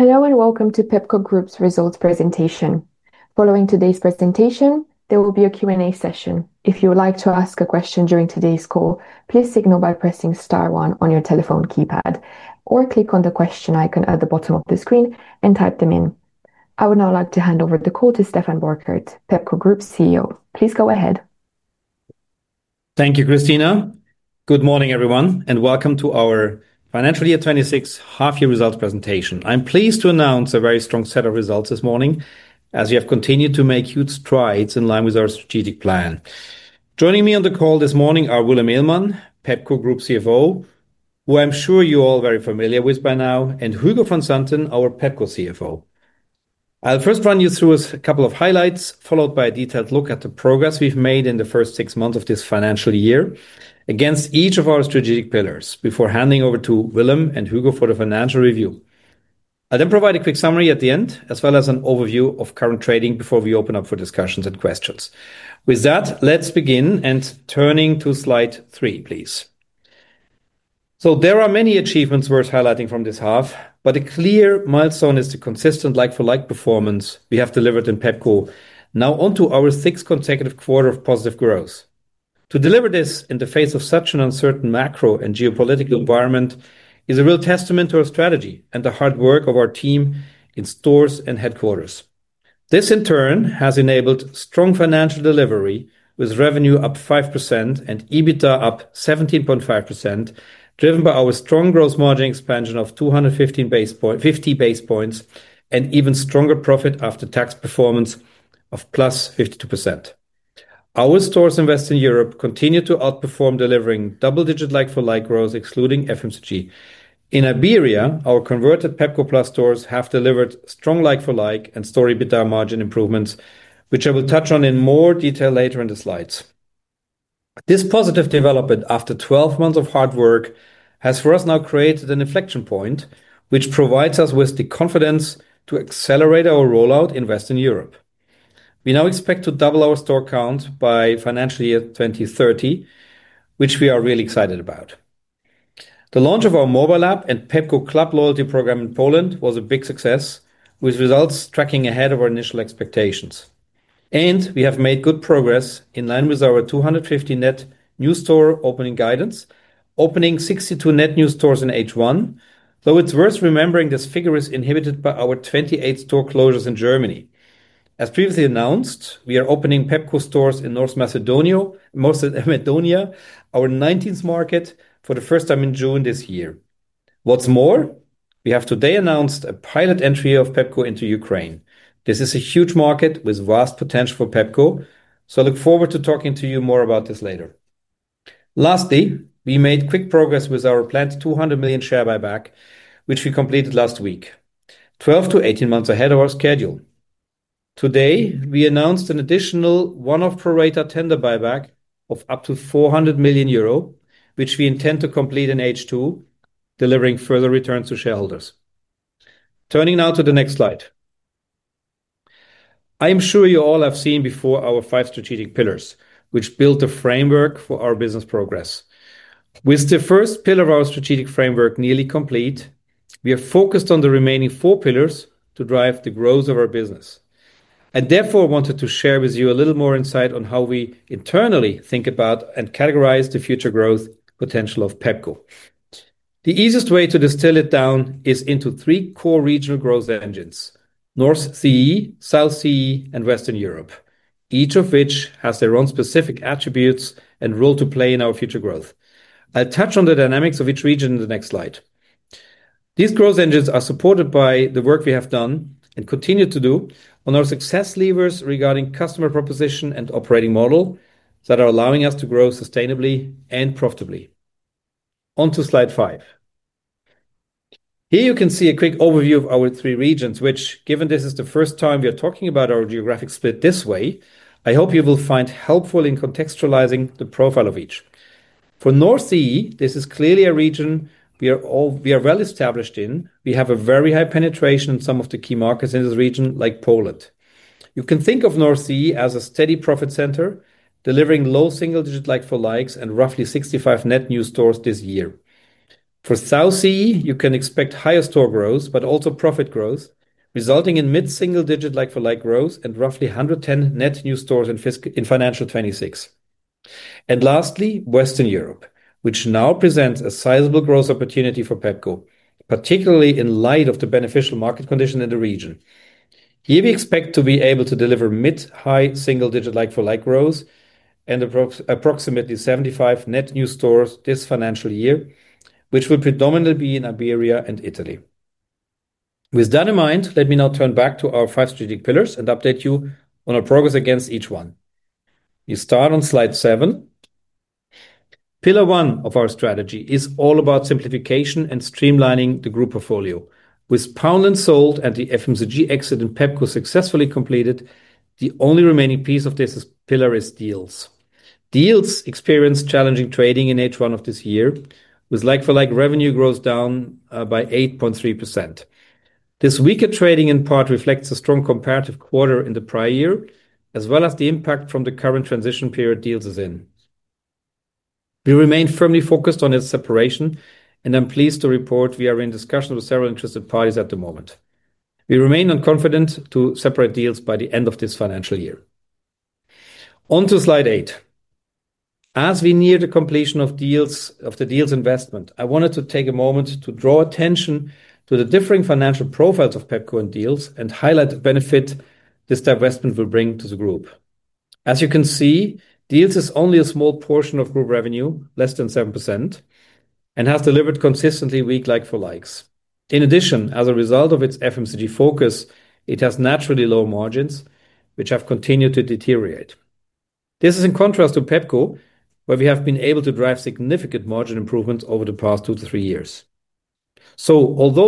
Hello, and welcome to Pepco Group's results presentation. Following today's presentation, there will be a Q&A session. I would now like to hand over the call to Stephan Borchert, Pepco Group Chief Executive Officer. Please go ahead. Thank you, Christina. Good morning, everyone, and welcome to our financial year 2026 half year results presentation. I'm pleased to announce a very strong set of results this morning, as we have continued to make huge strides in line with our strategic plan. Joining me on the call this morning are Willem Eelman, Pepco Group Chief Financial Officer, who I'm sure you're all very familiar with by now, and Hugo van Santen, our Pepco Chief Financial Officer. I'll first run you through a couple of highlights, followed by a detailed look at the progress we've made in the first six months of this financial year against each of our strategic pillars, before handing over to Willem and Hugo for the financial review. I'll provide a quick summary at the end, as well as an overview of current trading before we open up for discussions and questions. With that, let's begin, and turning to slide three, please. There are many achievements worth highlighting from this half, but a clear milestone is the consistent like-for-like performance we have delivered in Pepco, now onto our sixth consecutive quarter of positive growth. To deliver this in the face of such an uncertain macro and geopolitical environment is a real testament to our strategy and the hard work of our team in stores and headquarters. This, in turn, has enabled strong financial delivery, with revenue up 5% and EBITDA up 17.5%, driven by our strong gross margin expansion of 250 basis points, and even stronger profit after tax performance of +52%. Our stores in Western Europe continue to outperform, delivering double-digit like-for-like growth, excluding FMCG. In Iberia, our converted Pepco Plus stores have delivered strong like-for-like and store EBITDA margin improvements, which I will touch on in more detail later in the slides. This positive development after 12 months of hard work has, for us now, created an inflection point, which provides us with the confidence to accelerate our rollout in Western Europe. We now expect to double our store count by financial year 2030, which we are really excited about. The launch of our mobile app and Pepco Club loyalty program in Poland was a big success, with results tracking ahead of our initial expectations. We have made good progress in line with our 250 net new store opening guidance, opening 62 net new stores in H1, though it's worth remembering this figure is inhibited by our 28 store closures in Germany. As previously announced, we are opening Pepco stores in North Macedonia, our 19th market, for the first time in June this year. What's more, we have today announced a pilot entry of Pepco into Ukraine. This is a huge market with vast potential for Pepco. I look forward to talking to you more about this later. Lastly, we made quick progress with our planned 200 million share buyback, which we completed last week, 12 months-18 months ahead of our schedule. Today, we announced an additional one-off pro rata tender buyback of up to 400 million euro, which we intend to complete in H2, delivering further returns to shareholders. Turning now to the next slide. I am sure you all have seen before our five strategic pillars, which built the framework for our business progress. With the first pillar of our strategic framework nearly complete, we are focused on the remaining four pillars to drive the growth of our business. Therefore, I wanted to share with you a little more insight on how we internally think about and categorize the future growth potential of Pepco. The easiest way to distill it down is into three core regional growth engines, North CEE, South CEE, and Western Europe, each of which has their own specific attributes and role to play in our future growth. I'll touch on the dynamics of each region in the next slide. These growth engines are supported by the work we have done and continue to do on our success levers regarding customer proposition and operating model that are allowing us to grow sustainably and profitably. On to slide five. Here you can see a quick overview of our three regions, which given this is the first time we are talking about our geographic split this way, I hope you will find helpful in contextualizing the profile of each. For North CEE, this is clearly a region we are well established in. We have a very high penetration in some of the key markets in this region, like Poland. You can think of North CEE as a steady profit center, delivering low-single-digit like-for-likes and roughly 65 net new stores this year. For South CEE, you can expect higher store growth, but also profit growth, resulting in mid-single-digit like-for-like growth and roughly 110 net new stores in FY 2026. Lastly, Western Europe, which now presents a sizable growth opportunity for Pepco, particularly in light of the beneficial market condition in the region. Here, we expect to be able to deliver mid-high single-digit like-for-like growth and approximately 75 net new stores this financial year, which will predominantly be in Iberia and Italy. With that in mind, let me now turn back to our five strategic pillars and update you on our progress against each one. We start on slide seven. Pillar one of our strategy is all about simplification and streamlining the group portfolio. With Poundland sold and the FMCG exit in Pepco successfully completed, the only remaining piece of this pillar is Dealz. Dealz experienced challenging trading in H1 of this year, with like-for-like revenue growth down by 8.3%. This weaker trading in part reflects a strong comparative quarter in the prior year, as well as the impact from the current transition period Dealz is in. We remain firmly focused on its separation, and I'm pleased to report we are in discussion with several interested parties at the moment. We remain on confidence to separate Dealz by the end of this financial year. On to slide eight. As we near the completion of the Dealz investment, I wanted to take a moment to draw attention to the differing financial profiles of Pepco and Dealz and highlight the benefit this divestment will bring to the group. As you can see, Dealz is only a small portion of group revenue, less than 7%, and has delivered consistently weak like-for-likes. In addition, as a result of its FMCG focus, it has naturally low margins, which have continued to deteriorate. Although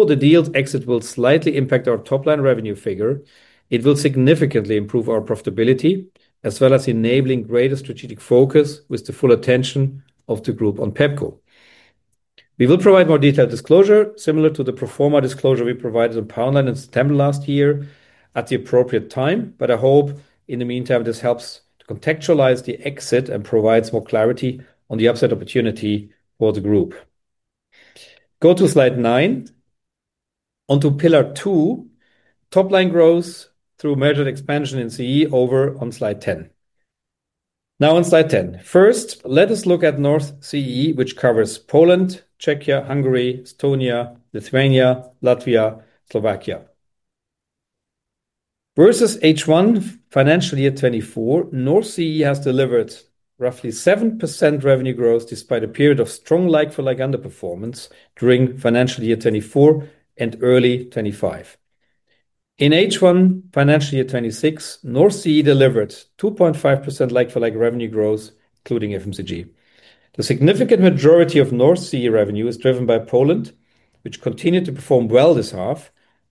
the Dealz exit will slightly impact our top-line revenue figure, it will significantly improve our profitability, as well as enabling greater strategic focus with the full attention of the group on Pepco. We will provide more detailed disclosure, similar to the pro forma disclosure we provided on Poundland in September last year at the appropriate time, but I hope in the meantime this helps to contextualize the exit and provides more clarity on the upside opportunity for the group. Go to slide nine. Onto pillar two, top line growth through measured expansion in CEE over on slide ten. Now on slide ten. First, let us look at North CEE, which covers Poland, Czechia, Hungary, Estonia, Lithuania, Latvia, Slovakia. Versus H1 financial year 2024, North CEE has delivered roughly 7% revenue growth despite a period of strong like-for-like underperformance during financial year 2024 and early 2025. In H1 financial year 2026, North CEE delivered 2.5% like-for-like revenue growth, including FMCG. The significant majority of North CEE revenue is driven by Poland, which continued to perform well this half,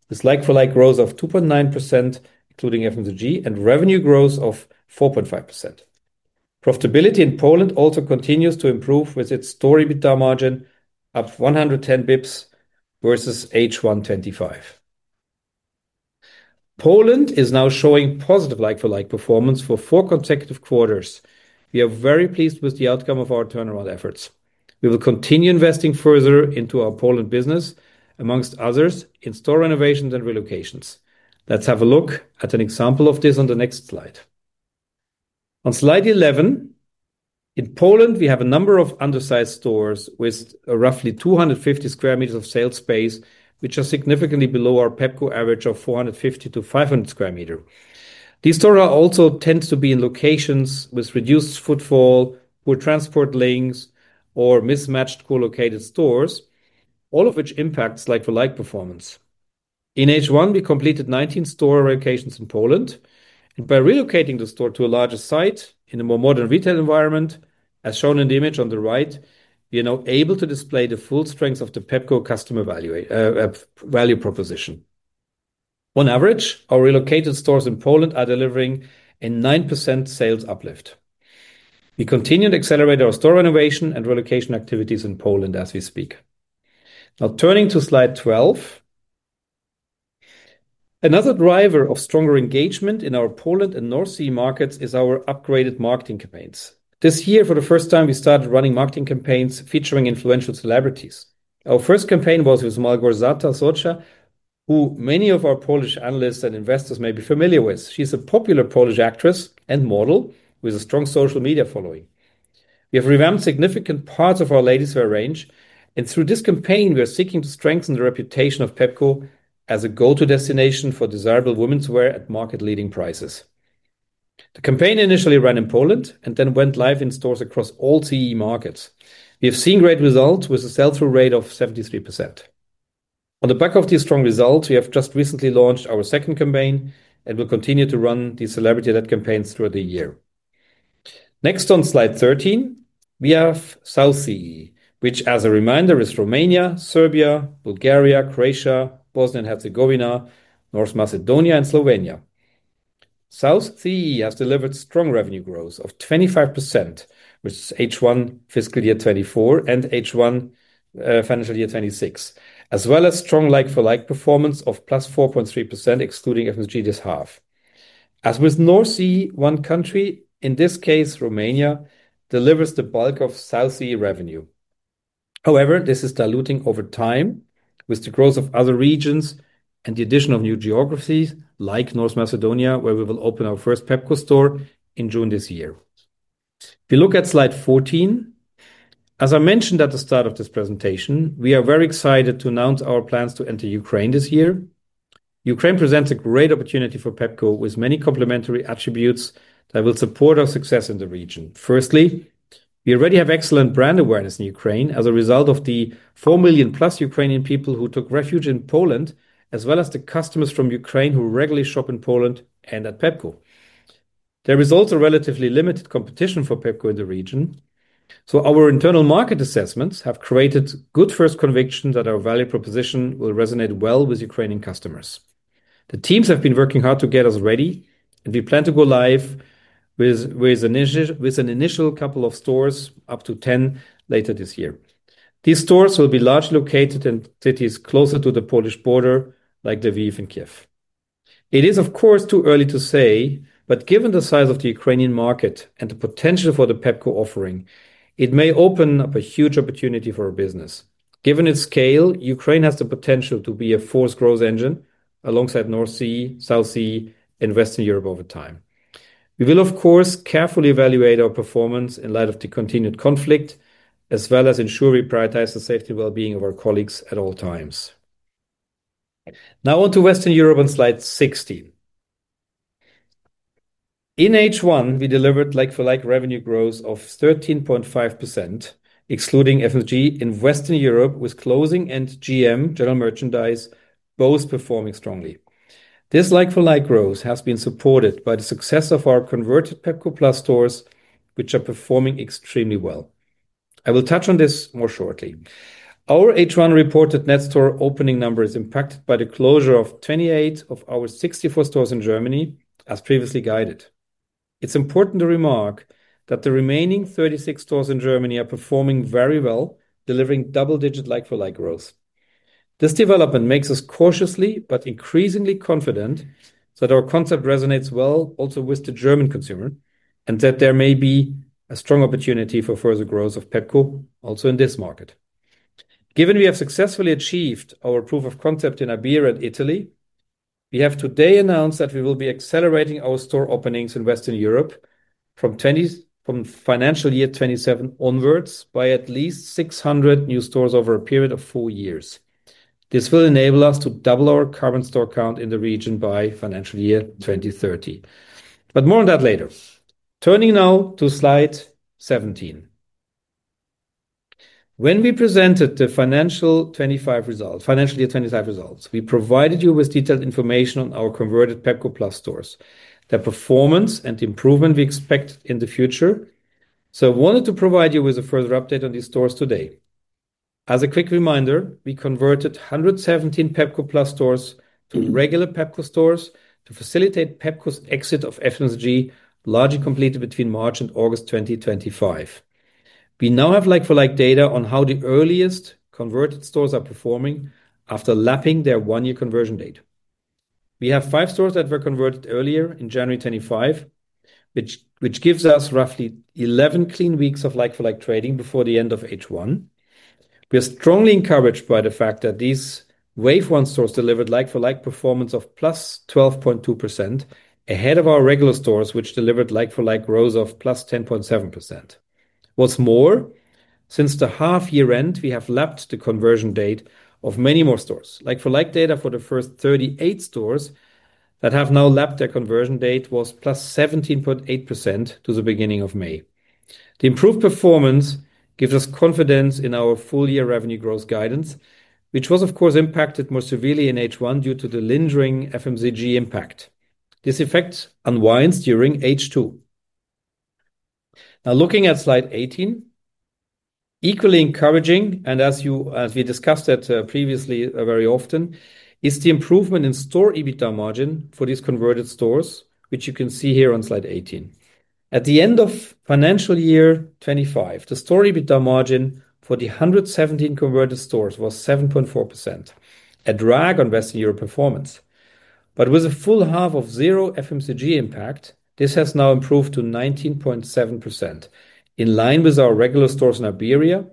with like-for-like growth of 2.9%, including FMCG, and revenue growth of 4.5%. Profitability in Poland also continues to improve with its store EBITDA margin up 110 basis points versus H1 2025. Poland is now showing positive like-for-like performance for four consecutive quarters. We are very pleased with the outcome of our turnaround efforts. We will continue investing further into our Poland business, amongst others, in store renovations and relocations. Let's have a look at an example of this on the next slide. On Slide 11, in Poland, we have a number of undersized stores with roughly 250 sq meters of sales space, which are significantly below our Pepco average of 450 sq meters-500 sq meters. These stores also tend to be in locations with reduced footfall, poor transport links, or mismatched co-located stores, all of which impacts like-for-like performance. In H1, we completed 19 store relocations in Poland, and by relocating the store to a larger site in a more modern retail environment, as shown in the image on the right, we are now able to display the full strength of the Pepco customer value proposition. On average, our relocated stores in Poland are delivering a 9% sales uplift. We continue to accelerate our store renovation and relocation activities in Poland as we speak. Now turning to Slide 12. Another driver of stronger engagement in our Poland and North CEE markets is our upgraded marketing campaigns. This year, for the first time, we started running marketing campaigns featuring influential celebrities. Our first campaign was with Małgorzata Socha, who many of our Polish analysts and investors may be familiar with. She's a popular Polish actress and model with a strong social media following. We have revamped significant parts of our ladieswear range, and through this campaign, we are seeking to strengthen the reputation of Pepco as a go-to destination for desirable womenswear at market leading prices. The campaign initially ran in Poland and then went live in stores across all CEE markets. We have seen great results with a sell-through rate of 73%. On the back of these strong results, we have just recently launched our second campaign and will continue to run the celebrity-led campaigns throughout the year. Next on Slide 13, we have South CEE, which as a reminder is Romania, Serbia, Bulgaria, Croatia, Bosnia and Herzegovina, North Macedonia and Slovenia. South CEE has delivered strong revenue growth of 25%, with H1 FY 2024 and H1 FY 2026, as well as strong like-for-like performance of +4.3%, excluding FMCG this half. As with North CEE, one country, in this case, Romania, delivers the bulk of South CEE revenue. This is diluting over time with the growth of other regions and the addition of new geographies like North Macedonia, where we will open our first Pepco store in June this year. If you look at Slide 14, as I mentioned at the start of this presentation, we are very excited to announce our plans to enter Ukraine this year. Ukraine presents a great opportunity for Pepco with many complementary attributes that will support our success in the region. Firstly, we already have excellent brand awareness in Ukraine as a result of the four million+ Ukrainian people who took refuge in Poland, as well as the customers from Ukraine who regularly shop in Poland and at Pepco. There is also relatively limited competition for Pepco in the region. Our internal market assessments have created good first conviction that our value proposition will resonate well with Ukrainian customers. The teams have been working hard to get us ready, and we plan to go live with an initial couple of stores, up to 10 later this year. These stores will be largely located in cities closer to the Polish border, like Lviv and Kyiv. It is, of course, too early to say, given the size of the Ukrainian market and the potential for the Pepco offering, it may open up a huge opportunity for our business. Given its scale, Ukraine has the potential to be a fourth growth engine alongside North CEE, South CEE, and Western Europe over time. We will, of course, carefully evaluate our performance in light of the continued conflict, as well as ensure we prioritize the safety and well-being of our colleagues at all times. On to Western Europe on Slide 16. In H1, we delivered like-for-like revenue growth of 13.5%, excluding FMCG, in Western Europe, with clothing and GM, general merchandise, both performing strongly. This like-for-like growth has been supported by the success of our converted Pepco Plus stores, which are performing extremely well. I will touch on this more shortly. Our H1 reported net store opening number is impacted by the closure of 28 stores of our 64 stores in Germany, as previously guided. It's important to remark that the remaining 36 stores in Germany are performing very well, delivering double-digit like-for-like growth. This development makes us cautiously but increasingly confident that our concept resonates well also with the German consumer, and that there may be a strong opportunity for further growth of Pepco also in this market. Given we have successfully achieved our proof of concept in Iberia and Italy, we have today announced that we will be accelerating our store openings in Western Europe from financial year 2027 onwards by at least 600 new stores over a period of four years. This will enable us to double our current store count in the region by financial year 2030. More on that later. Turning now to Slide 17. When we presented the financial year 2025 results, we provided you with detailed information on our converted Pepco Plus stores, their performance, and the improvement we expect in the future. I wanted to provide you with a further update on these stores today. As a quick reminder, we converted 117 Pepco Plus stores to regular Pepco stores to facilitate Pepco's exit of FMCG, largely completed between March and August 2025. We now have like-for-like data on how the earliest converted stores are performing after lapping their one-year conversion date. We have 5 stores that were converted earlier in January 2025, which gives us roughly 11 clean weeks of like-for-like trading before the end of H1. We are strongly encouraged by the fact that these wave 1 stores delivered like-for-like performance of +12.2%, ahead of our regular stores, which delivered like-for-like growth of +10.7%. What's more, since the half-year end, we have lapped the conversion date of many more stores. Like-for-like data for the first 38 stores that have now lapped their conversion date was +17.8% to the beginning of May. The improved performance gives us confidence in our full-year revenue growth guidance, which was, of course, impacted more severely in H1 due to the lingering FMCG impact. This effect unwinds during H2. Now, looking at Slide 18. Equally encouraging, and as we discussed that previously very often, is the improvement in store EBITDA margin for these converted stores, which you can see here on Slide 18. At the end of financial year 2025, the store EBITDA margin for the 117 converted stores was 7.4%, a drag on Western Europe performance. With a full half of zero FMCG impact, this has now improved to 19.7%, in line with our regular stores in Iberia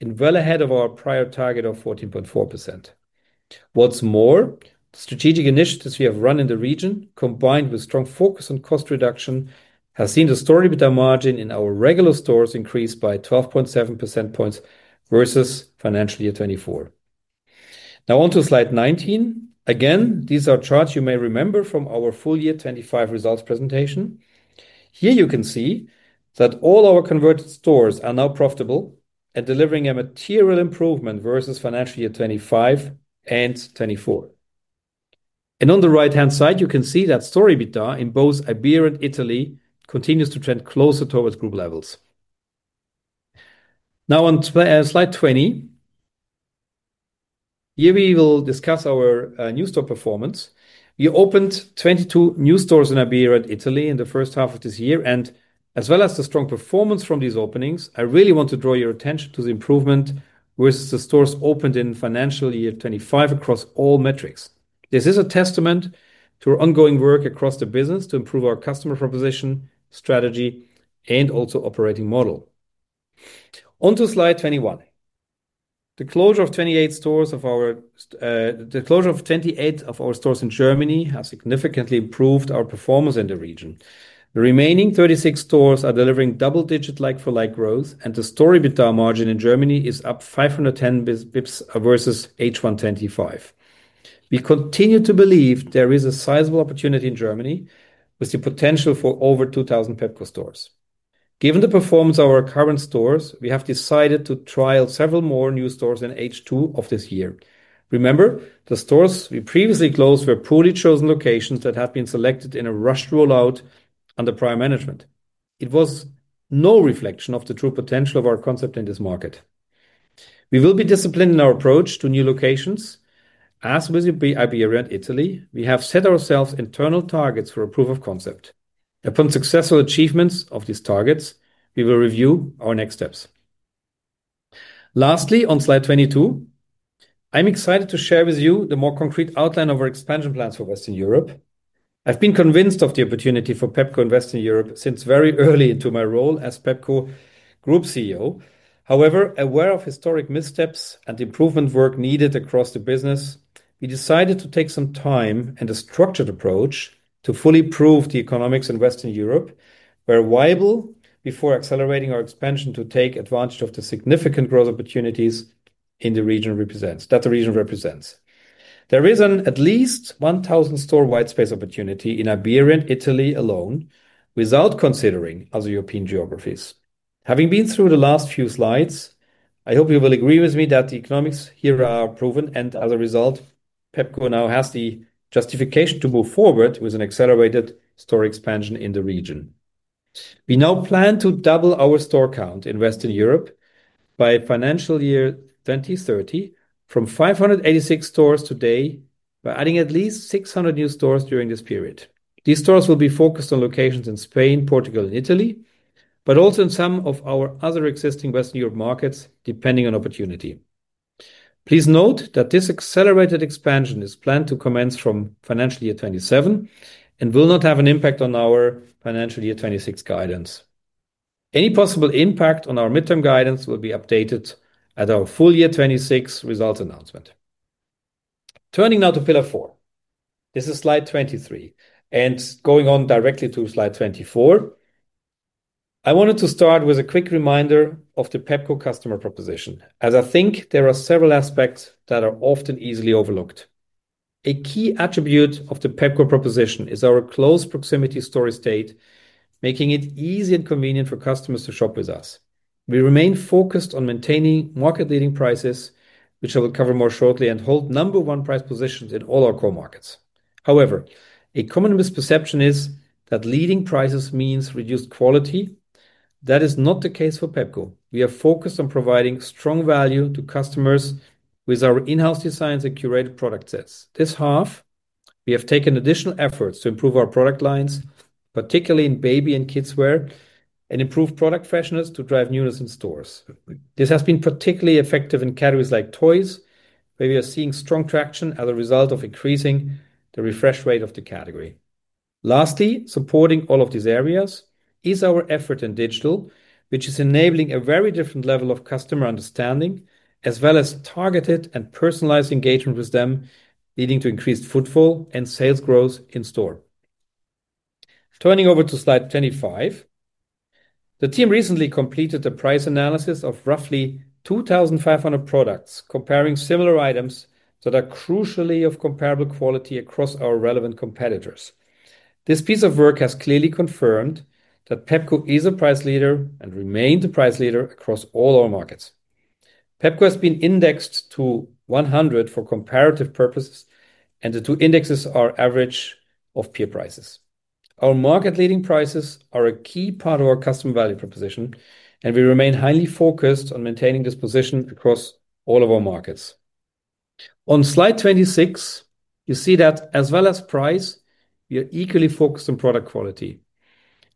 and well ahead of our prior target of 14.4%. What's more, strategic initiatives we have run in the region, combined with strong focus on cost reduction, has seen the store EBITDA margin in our regular stores increase by 12.7% points versus financial year 2024. On to Slide 19. These are charts you may remember from our full year 2025 results presentation. Here you can see that all our converted stores are now profitable and delivering a material improvement versus financial year 2025 and 2024. On the right-hand side, you can see that store EBITDA in both Iberia and Italy continues to trend closer towards group levels. On Slide 20. Here we will discuss our new store performance. We opened 22 new stores in Iberia and Italy in the first half of this year. As well as the strong performance from these openings, I really want to draw your attention to the improvement with the stores opened in financial year 2025 across all metrics. This is a testament to our ongoing work across the business to improve our customer proposition, strategy, and also operating model. On to Slide 21. The closure of 28 of our stores in Germany has significantly improved our performance in the region. The remaining 36 stores are delivering double-digit like-for-like growth, and the store EBITDA margin in Germany is up 510 basis points versus H1 2025. We continue to believe there is a sizable opportunity in Germany with the potential for over 2,000 Pepco stores. Given the performance of our current stores, we have decided to trial several more new stores in H2 of this year. Remember, the stores we previously closed were poorly chosen locations that had been selected in a rushed rollout under prior management. It was no reflection of the true potential of our concept in this market. We will be disciplined in our approach to new locations. As with Iberia and Italy, we have set ourselves internal targets for a proof of concept. Upon successful achievements of these targets, we will review our next steps. Lastly, on Slide 22, I'm excited to share with you the more concrete outline of our expansion plans for Western Europe. I've been convinced of the opportunity for Pepco in Western Europe since very early into my role as Pepco Group Chief Executive Officer. However, aware of historic missteps and improvement work needed across the business, we decided to take some time and a structured approach to fully prove the economics in Western Europe were viable before accelerating our expansion to take advantage of the significant growth opportunities that the region represents. There is an at least 1,000 store white space opportunity in Iberia and Italy alone, without considering other European geographies. Having been through the last few slides, I hope you will agree with me that the economics here are proven, and as a result, Pepco now has the justification to move forward with an accelerated store expansion in the region. We now plan to double our store count in Western Europe by FY 2030 from 586 stores today, by adding at least 600 new stores during this period. These stores will be focused on locations in Spain, Portugal, and Italy. Also in some of our other existing Western Europe markets, depending on opportunity. Please note that this accelerated expansion is planned to commence from FY 2027 and will not have an impact on our FY 2026 guidance. Any possible impact on our midterm guidance will be updated at our full year 2026 results announcement. Turning now to pillar four. This is Slide 23. Going on directly to Slide 24. I wanted to start with a quick reminder of the Pepco customer proposition, as I think there are several aspects that are often easily overlooked. A key attribute of the Pepco proposition is our close proximity store estate, making it easy and convenient for customers to shop with us. We remain focused on maintaining market-leading prices, which I will cover more shortly, and hold number one price positions in all our core markets. However, a common misperception is that leading prices means reduced quality. That is not the case for Pepco. We are focused on providing strong value to customers with our in-house designs and curated product sets. This half, we have taken additional efforts to improve our product lines, particularly in baby and kids wear, and improved product fashion to drive newness in stores. This has been particularly effective in categories like toys, where we are seeing strong traction as a result of increasing the refresh rate of the category. Supporting all of these areas is our effort in Digital, which is enabling a very different level of customer understanding as well as targeted and personalized engagement with them, leading to increased footfall and sales growth in store. Turning over to Slide 25. The team recently completed a price analysis of roughly 2,500 products, comparing similar items that are crucially of comparable quality across our relevant competitors. This piece of work has clearly confirmed that Pepco is a price leader and remained a price leader across all our markets. Pepco has been indexed to 100 for comparative purposes. The two indexes are average of peer prices. Our market leading prices are a key part of our customer value proposition. We remain highly focused on maintaining this position across all of our markets. On Slide 26, you see that as well as price, we are equally focused on product quality.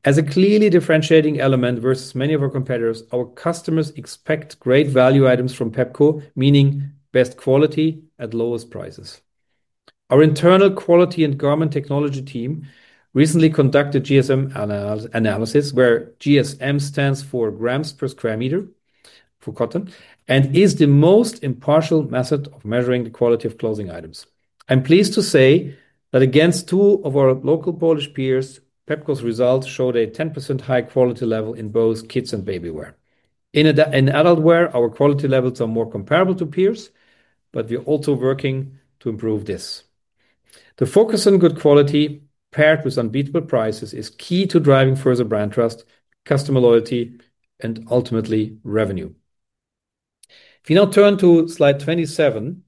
As a clearly differentiating element versus many of our competitors, our customers expect great value items from Pepco, meaning best quality at lowest prices. Our internal quality and garment technology team recently conducted GSM analysis, where GSM stands for grams per square meter for cotton and is the most impartial method of measuring the quality of clothing items. I'm pleased to say that against two of our local Polish peers, Pepco's results showed a 10% high quality level in both kids and baby wear. In adult wear, our quality levels are more comparable to peers, but we are also working to improve this. The focus on good quality paired with unbeatable prices is key to driving further brand trust, customer loyalty, and ultimately revenue. If you now turn to Slide 27,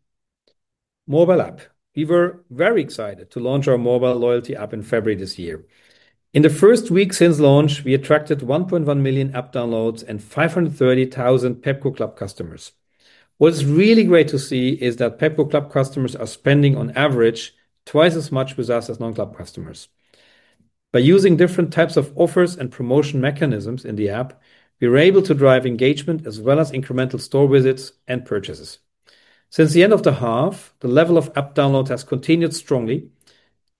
mobile app. We were very excited to launch our mobile loyalty app in February this year. In the first week since launch, we attracted 1.1 million app downloads and 530,000 Pepco Club customers. What's really great to see is that Pepco Club customers are spending on average twice as much with us as non-club customers. By using different types of offers and promotion mechanisms in the app, we were able to drive engagement as well as incremental store visits and purchases. Since the end of the half, the level of app download has continued strongly,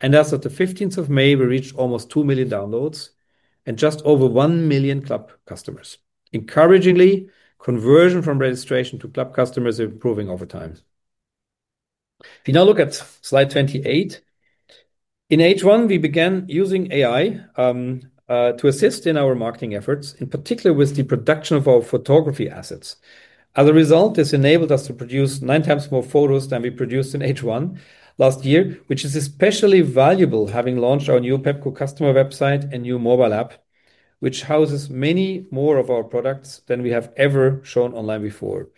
and as of the May 15th, we reached almost two million downloads and just over one million club customers. Encouragingly, conversion from registration to club customers is improving over time. If you now look at Slide 28. In H1, we began using AI to assist in our marketing efforts, in particular with the production of our photography assets. As a result, this enabled us to produce 9x more photos than we produced in H1 last year, which is especially valuable having launched our new Pepco customer website and new mobile app, which houses many more of our products than we have ever shown online before.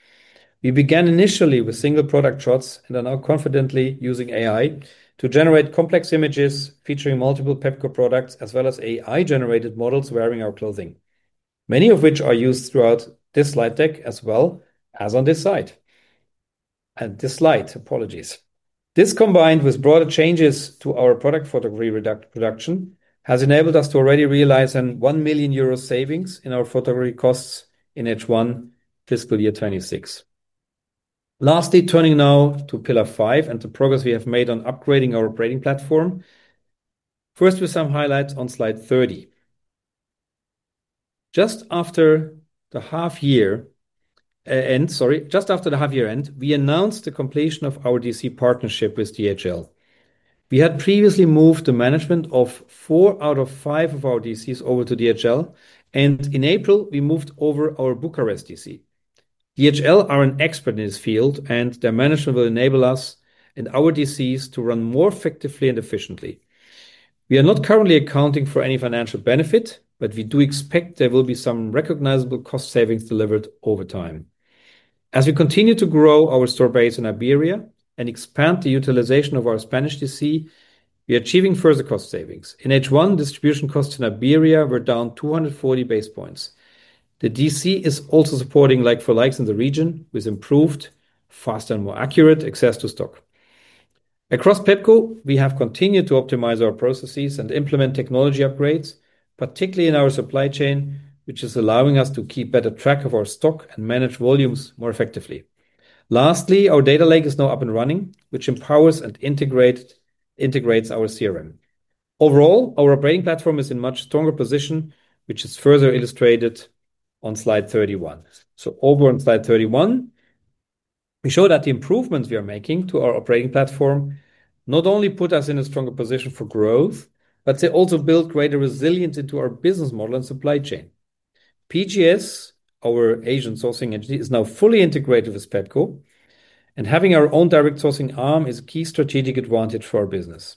We began initially with single product shots and are now confidently using AI to generate complex images featuring multiple Pepco products as well as AI-generated models wearing our clothing, many of which are used throughout this slide deck as well as on this site. This slide, apologies. This, combined with broader changes to our product photography production, has enabled us to already realize a 1 million euro savings in our photography costs in H1 FY 2026. Turning now to pillar five and the progress we have made on upgrading our operating platform. With some highlights on Slide 30. Just after the half year end, we announced the completion of our DC partnership with DHL. We had previously moved the management of four out of five of our DCs over to DHL, and in April, we moved over our Bucharest DC. DHL are an expert in this field, and their management will enable us and our DCs to run more effectively and efficiently. We are not currently accounting for any financial benefit, but we do expect there will be some recognizable cost savings delivered over time. As we continue to grow our store base in Iberia and expand the utilization of our Spanish DC, we are achieving further cost savings. In H1, distribution costs in Iberia were down 240 basis points. The DC is also supporting like-for-like in the region with improved, faster, and more accurate access to stock. Across Pepco, we have continued to optimize our processes and implement technology upgrades, particularly in our supply chain, which is allowing us to keep better track of our stock and manage volumes more effectively. Lastly, our data lake is now up and running, which empowers and integrates our CRM. Overall, our operating platform is in much stronger position, which is further illustrated on Slide 31. Over on Slide 31, we show that the improvements we are making to our operating platform not only put us in a stronger position for growth, but they also build greater resilience into our business model and supply chain. PGS, our Asian sourcing entity, is now fully integrated with Pepco, and having our own direct sourcing arm is a key strategic advantage for our business.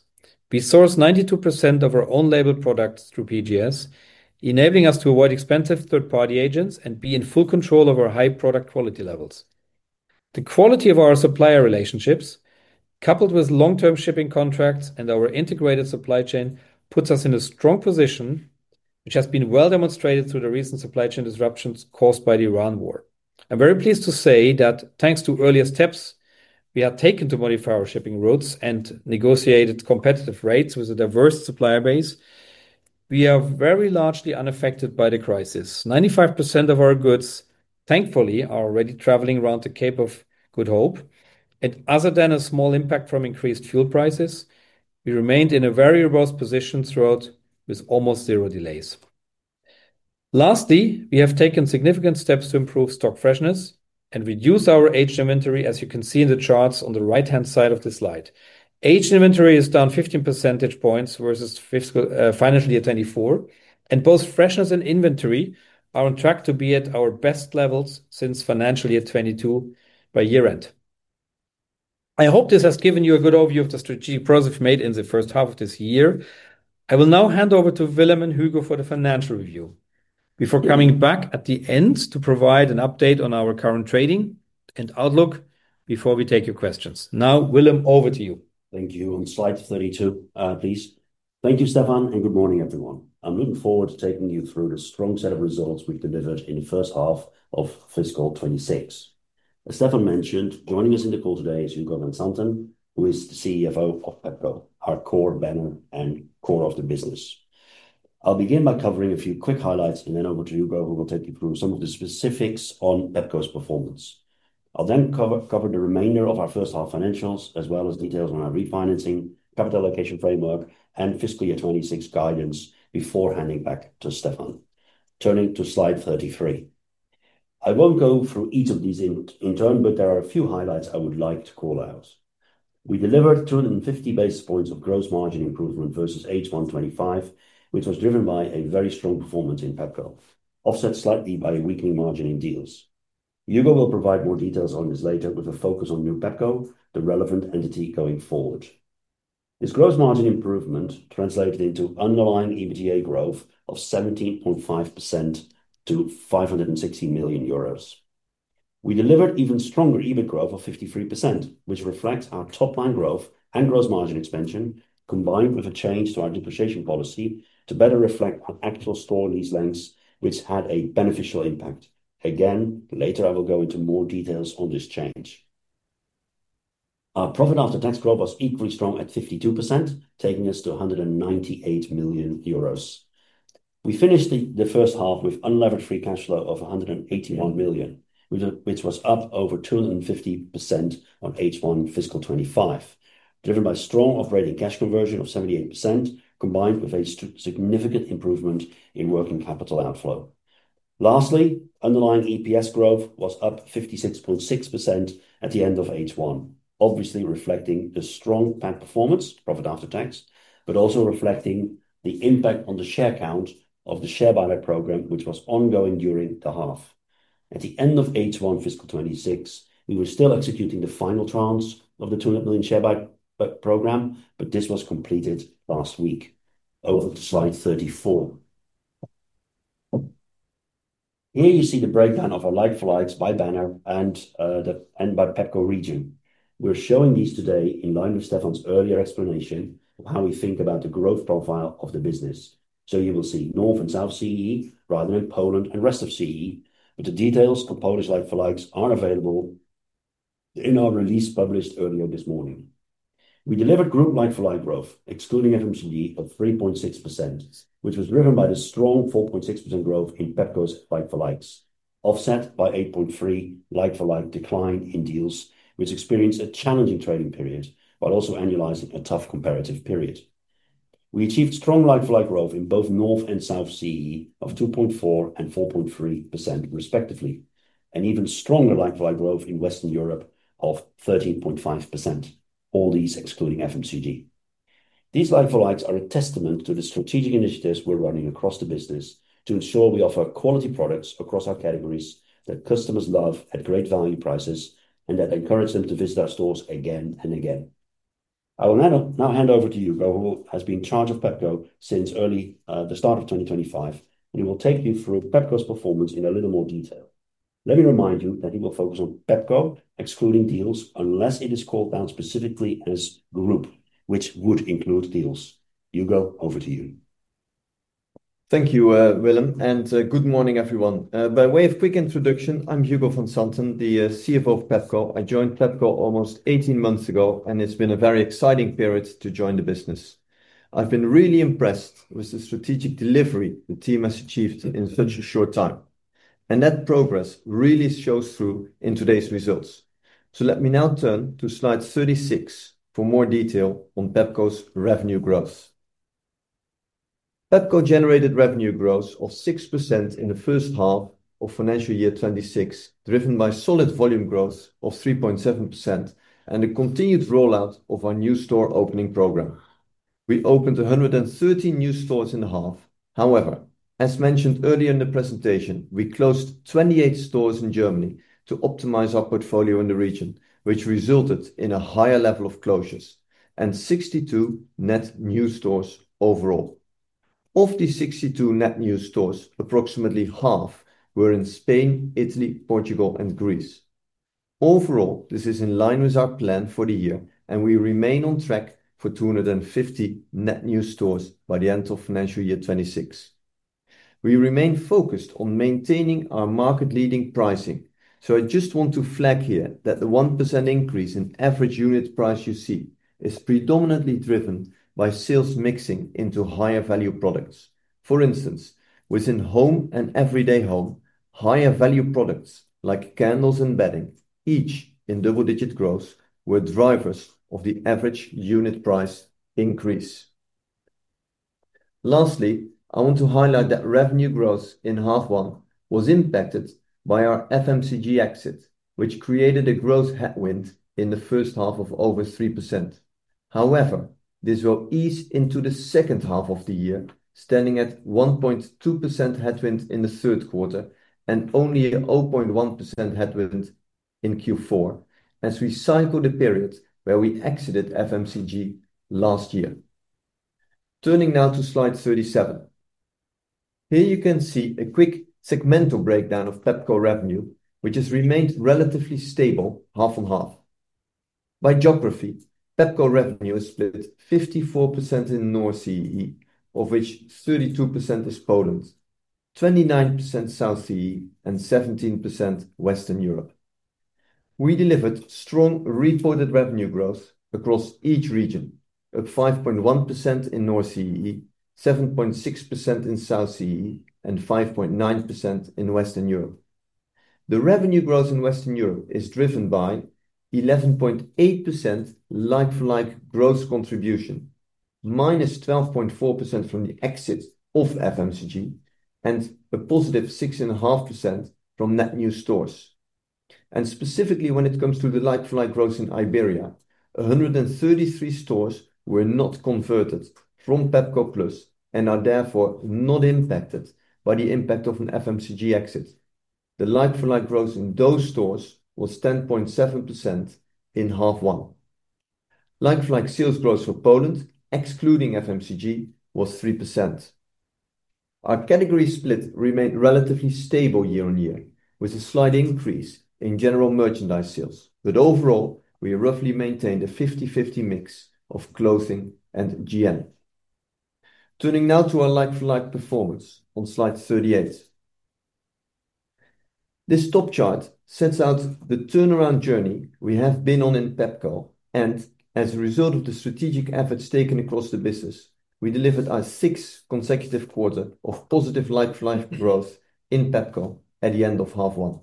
We source 92% of our own label products through PGS, enabling us to avoid expensive third-party agents and be in full control of our high product quality levels. The quality of our supplier relationships, coupled with long-term shipping contracts and our integrated supply chain, puts us in a strong position, which has been well demonstrated through the recent supply chain disruptions caused by the Iran war. I'm very pleased to say that thanks to earlier steps we have taken to modify our shipping routes and negotiated competitive rates with a diverse supplier base, we are very largely unaffected by the crisis. 95% of our goods, thankfully, are already traveling around the Cape of Good Hope, and other than a small impact from increased fuel prices, we remained in a very robust position throughout with almost zero delays. Lastly, we have taken significant steps to improve stock freshness and reduce our aged inventory, as you can see in the charts on the right-hand side of the slide. Aged inventory is down 15 percentage points versus financial year 2024, and both freshness and inventory are on track to be at our best levels since financial year 2022 by year end. I hope this has given you a good overview of the strategic progress we've made in the first half of this year. I will now hand over to Willem and Hugo for the financial review before coming back at the end to provide an update on our current trading and outlook before we take your questions. Now, Willem, over to you. Thank you. On Slide 32, please. Thank you, Stephan, and good morning, everyone. I'm looking forward to taking you through the strong set of results we've delivered in the first half of FY 2026. As Stephan mentioned, joining us in the call today is Hugo van Santen, who is the Chief Financial Officer of Pepco, our core banner and core of the business. I'll begin by covering a few quick highlights and then over to Hugo, who will take you through some of the specifics on Pepco's performance. I'll then cover the remainder of our first half financials, as well as details on our refinancing, capital allocation framework and FY 2026 guidance before handing back to Stephan. Turning to Slide 33. I won't go through each of these in turn. There are a few highlights I would like to call out. We delivered 250 basis points of gross margin improvement versus H1 2025, which was driven by a very strong performance in Pepco, offset slightly by a weakening margin in Dealz. Hugo will provide more details on this later with a focus on new Pepco, the relevant entity going forward. This gross margin improvement translated into underlying EBITDA growth of 17.5% to 516 million euros. We delivered even stronger EBIT growth of 53%, which reflects our top-line growth and gross margin expansion, combined with a change to our depreciation policy to better reflect our actual store lease lengths, which had a beneficial impact. Again, later I will go into more details on this change. Our profit after tax growth was equally strong at 52%, taking us to 198 million euros. We finished the first half with unlevered free cash flow of 181 million, which was up over 250% on H1 fiscal 2025, driven by strong operating cash conversion of 78%, combined with a significant improvement in working capital outflow. Lastly, underlying EPS growth was up 56.6% at the end of H1, obviously reflecting the strong PAT performance, profit after tax, but also reflecting the impact on the share count of the share buyback program, which was ongoing during the half. At the end of H1 fiscal 2026, we were still executing the final tranches of the 200 million share buyback program, but this was completed last week. Over to Slide 34. Here you see the breakdown of our like-for-likes by banner and by Pepco region. We're showing these today in line with Stephan's earlier explanation of how we think about the growth profile of the business. You will see North and South CEE, rather than Poland and rest of CEE. The details for Polish like-for-likes are available in our release published earlier this morning. We delivered group like-for-like growth, excluding FMCG, of 3.6%, which was driven by the strong 4.6% growth in Pepco's like-for-likes, offset by 8.3% like-for-like decline in Dealz, which experienced a challenging trading period, while also annualizing a tough comparative period. We achieved strong like-for-like growth in both North and South CEE of 2.4% and 4.3% respectively, and even stronger like-for-like growth in Western Europe of 13.5%, all these excluding FMCG. These like-for-likes are a testament to the strategic initiatives we're running across the business to ensure we offer quality products across our categories that customers love at great value prices, and that encourage them to visit our stores again and again. I will now hand over to Hugo, who has been in charge of Pepco since the start of 2025, and he will take you through Pepco's performance in a little more detail. Let me remind you that he will focus on Pepco excluding Dealz, unless it is called out specifically as group, which would include Dealz. Hugo, over to you. Thank you, Willem. Good morning, everyone. By way of quick introduction, I'm Hugo van Santen, the Chief Financial Officer of Pepco. I joined Pepco almost 18 months ago. It's been a very exciting period to join the business. I've been really impressed with the strategic delivery the team has achieved in such a short time. That progress really shows through in today's results. Let me now turn to Slide 36 for more detail on Pepco's revenue growth. Pepco generated revenue growth of 6% in the first half of FY 2026, driven by solid volume growth of 3.7% and a continued rollout of our new store opening program. We opened 113 new stores in the half. However, as mentioned earlier in the presentation, we closed 28 stores in Germany to optimize our portfolio in the region, which resulted in a higher level of closures and 62 net new stores overall. Of the 62 net new stores, approximately half were in Spain, Italy, Portugal and Greece. This is in line with our plan for the year, and we remain on track for 250 net new stores by the end of FY 2026. We remain focused on maintaining our market-leading pricing. I just want to flag here that the 1% increase in average unit price you see is predominantly driven by sales mixing into higher value products. For instance, within home and everyday home, higher value products like candles and bedding, each in double-digit growth, were drivers of the average unit price increase. Lastly, I want to highlight that revenue growth in H1 was impacted by our FMCG exit, which created a growth headwind in the first half of over 3%. However, this will ease into the second half of the year, standing at 1.2% headwind in the third quarter and only a 0.1% headwind in Q4, as we cycle the period where we exited FMCG last year. Turning now to Slide 37. Here you can see a quick segmental breakdown of Pepco revenue, which has remained relatively stable half-on-half. By geography, Pepco revenue is split 54% in North CEE, of which 32% is Poland, 29% South CEE and 17% Western Europe. We delivered strong reported revenue growth across each region at 5.1% in North CEE, 7.6% in South CEE and 5.9% in Western Europe. The revenue growth in Western Europe is driven by 11.8% like-for-like growth contribution, -12.4% from the exit of FMCG and a positive 6.5% from net new stores. Specifically, when it comes to the like-for-like growth in Iberia, 133 stores were not converted from Pepco Plus and are therefore not impacted by the impact of an FMCG exit. The like-for-like growth in those stores was 10.7% in H1. Like-for-like sales growth for Poland, excluding FMCG, was 3%. Our category split remained relatively stable year-on-year, with a slight increase in general merchandise sales. Overall, we roughly maintained a 50/50 mix of clothing and GM. Turning now to our like-for-like performance on slide 38. This top chart sets out the turnaround journey we have been on in Pepco. As a result of the strategic efforts taken across the business, we delivered our sixth consecutive quarter of positive like-for-like growth in Pepco at the end of H1.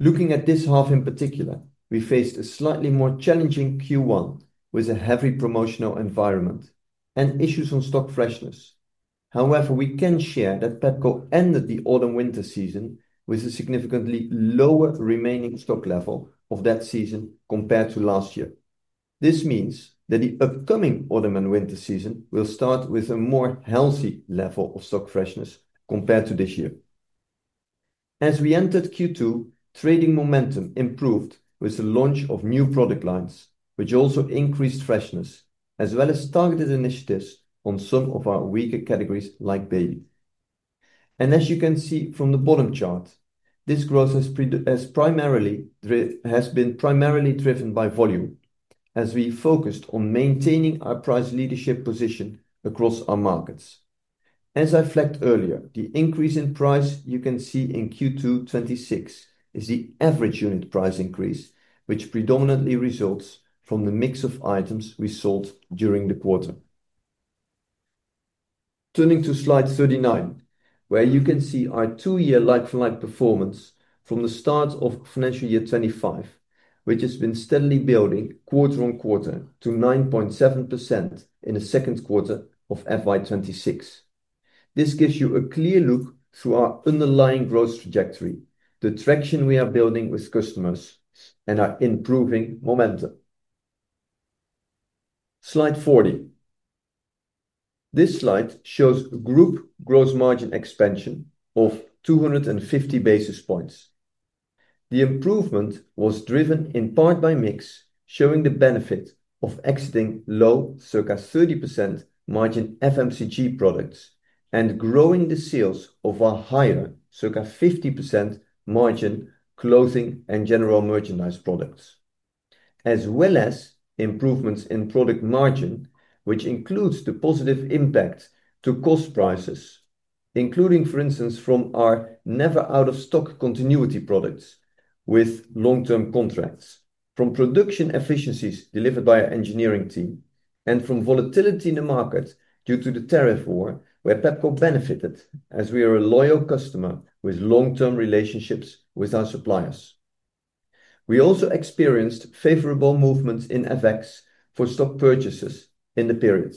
Looking at this half in particular, we faced a slightly more challenging Q1 with a heavy promotional environment and issues on stock freshness. However, we can share that Pepco ended the autumn/winter season with a significantly lower remaining stock level of that season compared to last year. This means that the upcoming autumn and winter season will start with a more healthy level of stock freshness compared to this year. As we entered Q2, trading momentum improved with the launch of new product lines, which also increased freshness, as well as targeted initiatives on some of our weaker categories, like baby. And as you can see from the bottom chart, this growth has been primarily driven by volume, as we focused on maintaining our price leadership position across our markets. As I flagged earlier, the increase in price you can see in Q2 2026 is the average unit price increase, which predominantly results from the mix of items we sold during the quarter. Turning to Slide 39, where you can see our two-year like-for-like performance from the start of financial year 2025, which has been steadily building quarter on quarter to 9.7% in the second quarter of FY 2026. This gives you a clear look through our underlying growth trajectory, the traction we are building with customers, and our improving momentum. Slide 40. This slide shows group gross margin expansion of 250 basis points. The improvement was driven in part by mix, showing the benefit of exiting low, circa 30% margin FMCG products and growing the sales of our higher, circa 50% margin clothing and general merchandise products, as well as improvements in product margin, which includes the positive impact to cost prices, including, for instance, from our never-out-of-stock continuity products with long-term contracts, from production efficiencies delivered by our engineering team, and from volatility in the market due to the tariff war, where Pepco benefited, as we are a loyal customer with long-term relationships with our suppliers. We also experienced favorable movements in FX for stock purchases in the period.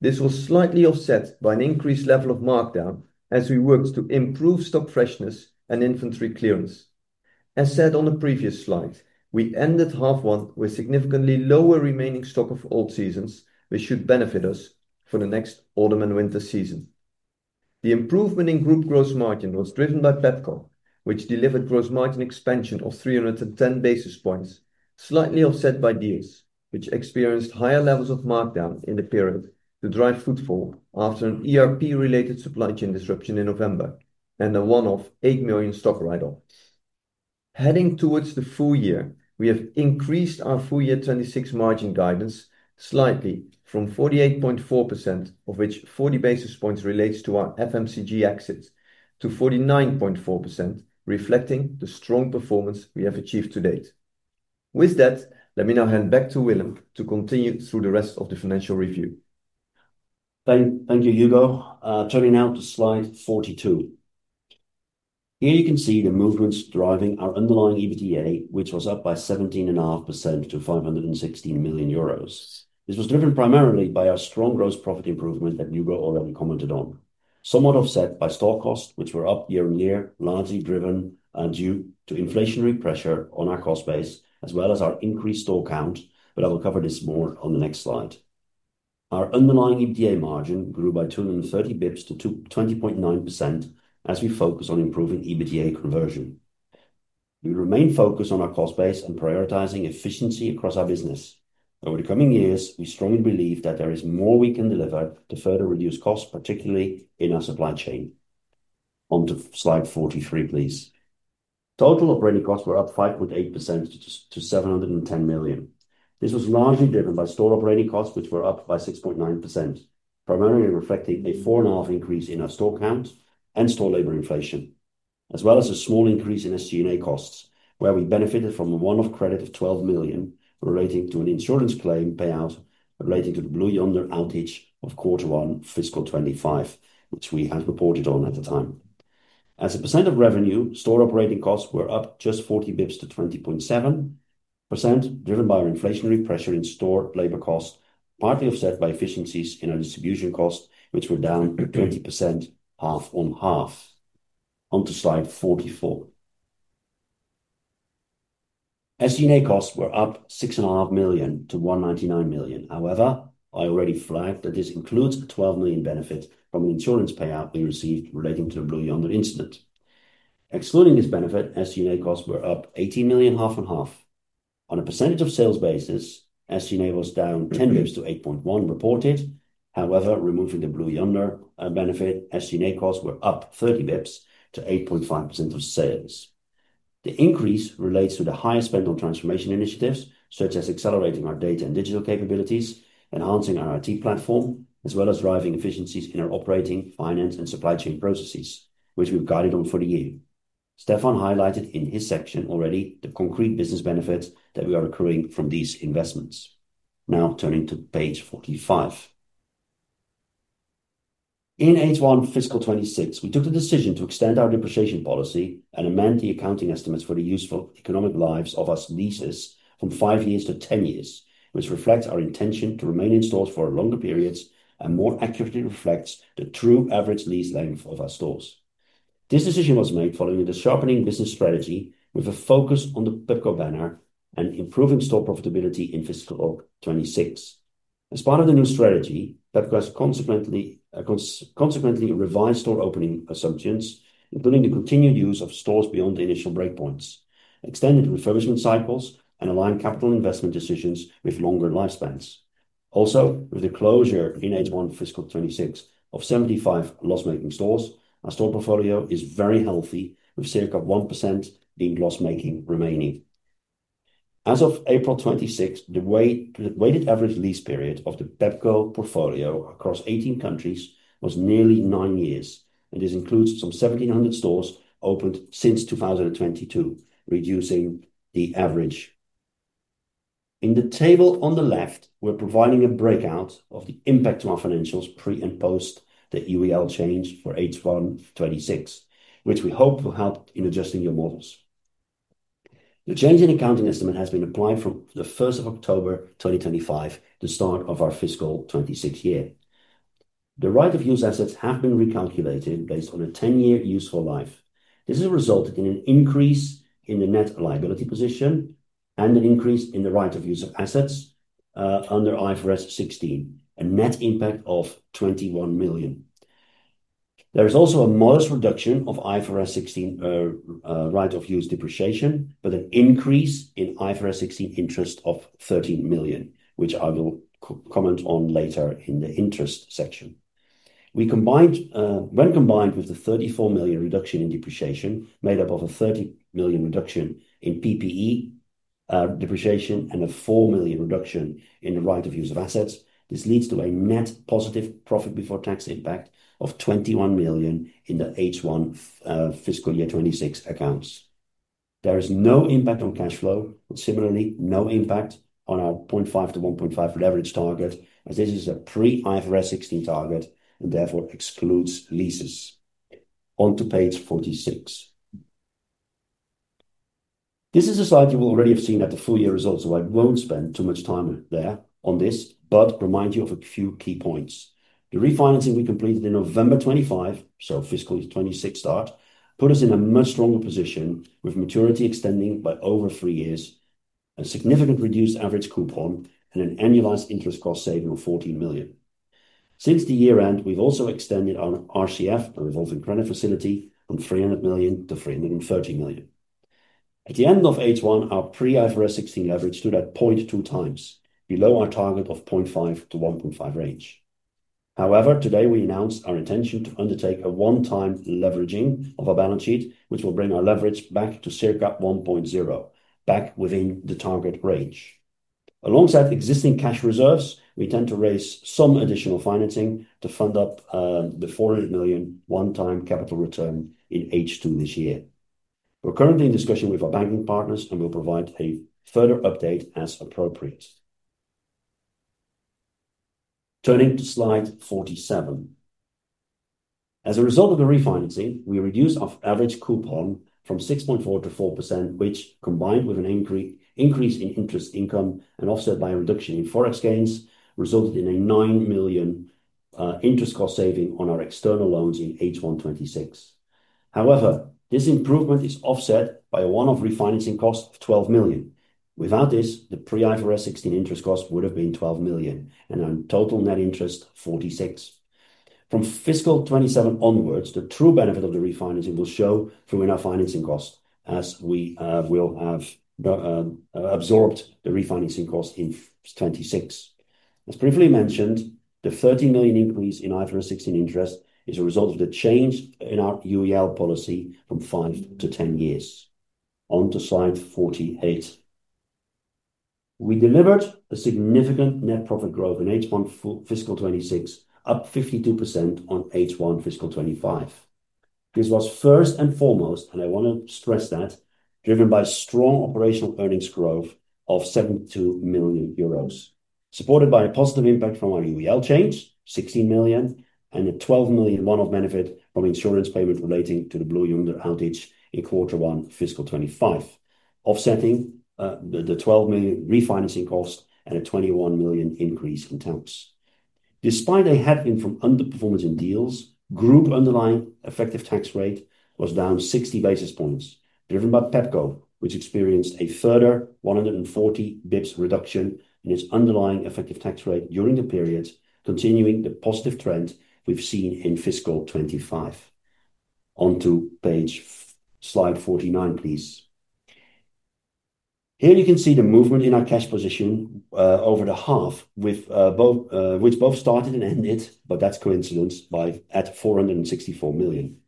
This was slightly offset by an increased level of markdown as we worked to improve stock freshness and inventory clearance. As said on the previous slide, we ended half one with significantly lower remaining stock of old seasons, which should benefit us for the next autumn and winter season. The improvement in group gross margin was driven by Pepco, which delivered gross margin expansion of 310 basis points, slightly offset by Dealz, which experienced higher levels of markdown in the period to drive footfall after an ERP-related supply chain disruption in November and a one-off 8 million stock write-off. Heading towards the full year, we have increased our full year 2026 margin guidance slightly from 48.4%, of which 40 basis points relates to our FMCG exits, to 49.4%, reflecting the strong performance we have achieved to date. With that, let me now hand back to Willem to continue through the rest of the financial review. Thank you, Hugo. Turning now to Slide 42. Here you can see the movements driving our underlying EBITDA, which was up by 17.5% to 516 million euros. This was driven primarily by our strong gross profit improvement that Hugo already commented on, somewhat offset by store costs, which were up year-over-year, largely driven due to inflationary pressure on our cost base as well as our increased store count. I will cover this more on the next slide. Our underlying EBITDA margin grew by 230 basis points to 20.9% as we focus on improving EBITDA conversion. We remain focused on our cost base and prioritizing efficiency across our business. Over the coming years, we strongly believe that there is more we can deliver to further reduce costs, particularly in our supply chain. On to Slide 43, please. Total operating costs were up 5.8% to 710 million. This was largely driven by store operating costs, which were up by 6.9%, primarily reflecting a 4.5 increase in our store count and store labor inflation, as well as a small increase in SG&A costs, where we benefited from a one-off credit of 12 million relating to an insurance claim payout relating to the Blue Yonder outage of quarter one FY 2025, which we had reported on at the time. As a percent of revenue, store operating costs were up just 40 basis points to 20.7%, driven by our inflationary pressure in store labor cost, partly offset by efficiencies in our distribution cost, which were down 20% half-on-half. On to Slide 44. SG&A costs were up 6.5 million-199 million. I already flagged that this includes a 12 million benefit from the insurance payout we received relating to the Blue Yonder incident. Excluding this benefit, SG&A costs were up 18 million half-on-half. On a percentage of sales basis, SG&A was down 10 basis points to 8.1% reported. However, removing the Blue Yonder benefit, SG&A costs were up 30 basis points to 8.5% of sales. The increase relates to the higher spend on transformation initiatives, such as accelerating our data and digital capabilities, enhancing our IT platform, as well as driving efficiencies in our operating, finance, and supply chain processes, which we've guided on for the year. Stephan highlighted in his section already the concrete business benefits that we are accruing from these investments. Turning to page 45. In H1 fiscal 2026, we took the decision to extend our depreciation policy and amend the accounting estimates for the useful economic lives of our leases from five years to 10 years, which reflects our intention to remain in stores for longer periods and more accurately reflects the true average lease length of our stores. This decision was made following the sharpening business strategy with a focus on the Pepco banner and improving store profitability in fiscal 2026. As part of the new strategy, Pepco has consequently revised store opening assumptions, including the continued use of stores beyond the initial breakpoints, extended refurbishment cycles, and aligned capital investment decisions with longer lifespans. Also, with the closure in H1 fiscal 2026 of 75 loss-making stores, our store portfolio is very healthy, with circa 1% being loss-making remaining. As of April 26th, the weighted average lease period of the Pepco portfolio across 18 countries was nearly nine years, and this includes some 1,700 stores opened since 2022, reducing the average. In the table on the left, we're providing a breakout of the impact to our financials pre and post the UEL change for H1 2026, which we hope will help in adjusting your models. The change in accounting estimate has been applied from the October 1st, 2025, the start of our fiscal 2026 year. The right of use assets have been recalculated based on a 10-year useful life. This has resulted in an increase in the net liability position and an increase in the right of use of assets under IFRS 16, a net impact of 21 million. There is also a modest reduction of IFRS 16 right of use depreciation, but an increase in IFRS 16 interest of 13 million, which I will comment on later in the interest section. When combined with the 34 million reduction in depreciation, made up of a 30 million reduction in PPE depreciation and a 4 million reduction in the right of use of assets, this leads to a net positive profit before tax impact of 21 million in the H1 fiscal year 2026 accounts. There is no impact on cash flow. Similarly, no impact on our 0.5x-1.5x leverage target, as this is a pre IFRS 16 target, and therefore excludes leases. On to page 46. This is a slide you will already have seen at the full year results. I won't spend too much time there on this, but remind you of a few key points. The refinancing we completed in November 2025, so fiscal year 2026 start, put us in a much stronger position with maturity extending by over three years, a significant reduced average coupon, and an annualized interest cost saving of 14 million. Since the year end, we've also extended our RCF, a revolving credit facility, from 300 million-330 million. At the end of H1, our pre IFRS 16 leverage stood at 0.2x, below our target of 0.5x-1.5x range. Today we announced our intention to undertake a one-time leveraging of our balance sheet, which will bring our leverage back to circa 1.0x, back within the target range. Alongside existing cash reserves, we intend to raise some additional financing to fund up the 400 million one-time capital return in H2 this year. We're currently in discussion with our banking partners and will provide a further update as appropriate. Turning to Slide 47. As a result of the refinancing, we reduced our average coupon from 6.4%-4%, which, combined with an increase in interest income and offset by a reduction in Forex gains, resulted in a 9 million interest cost saving on our external loans in H1 2026. This improvement is offset by a one-off refinancing cost of 12 million. Without this, the pre IFRS 16 interest cost would have been 12 million, and our total net interest 46. From fiscal 2027 onwards, the true benefit of the refinancing will show through in our financing cost as we will have absorbed the refinancing cost in 2026. As briefly mentioned, the 30 million increase in IFRS 16 interest is a result of the change in our UEL policy from five to 10 years. On to Slide 48. We delivered a significant net profit growth in H1 FY 2026, up 52% on H1 FY 2025. This was first and foremost, and I want to stress that, driven by strong operational earnings growth of 72 million euros, supported by a positive impact from our UEL change, 16 million, and a 12 million one-off benefit from insurance payment relating to the Blue Yonder outage in Q1 FY 2025, offsetting the 12 million refinancing cost and a 21 million increase in tax. Despite a headwind from underperformance in Dealz, group underlying effective tax rate was down 60 basis points, driven by Pepco, which experienced a further 140 basis points reduction in its underlying effective tax rate during the period, continuing the positive trend we've seen in FY 2025. On to Slide 49, please. Here you can see the movement in our cash position over the half, which both started and ended, but that's coincidence, at 464 million.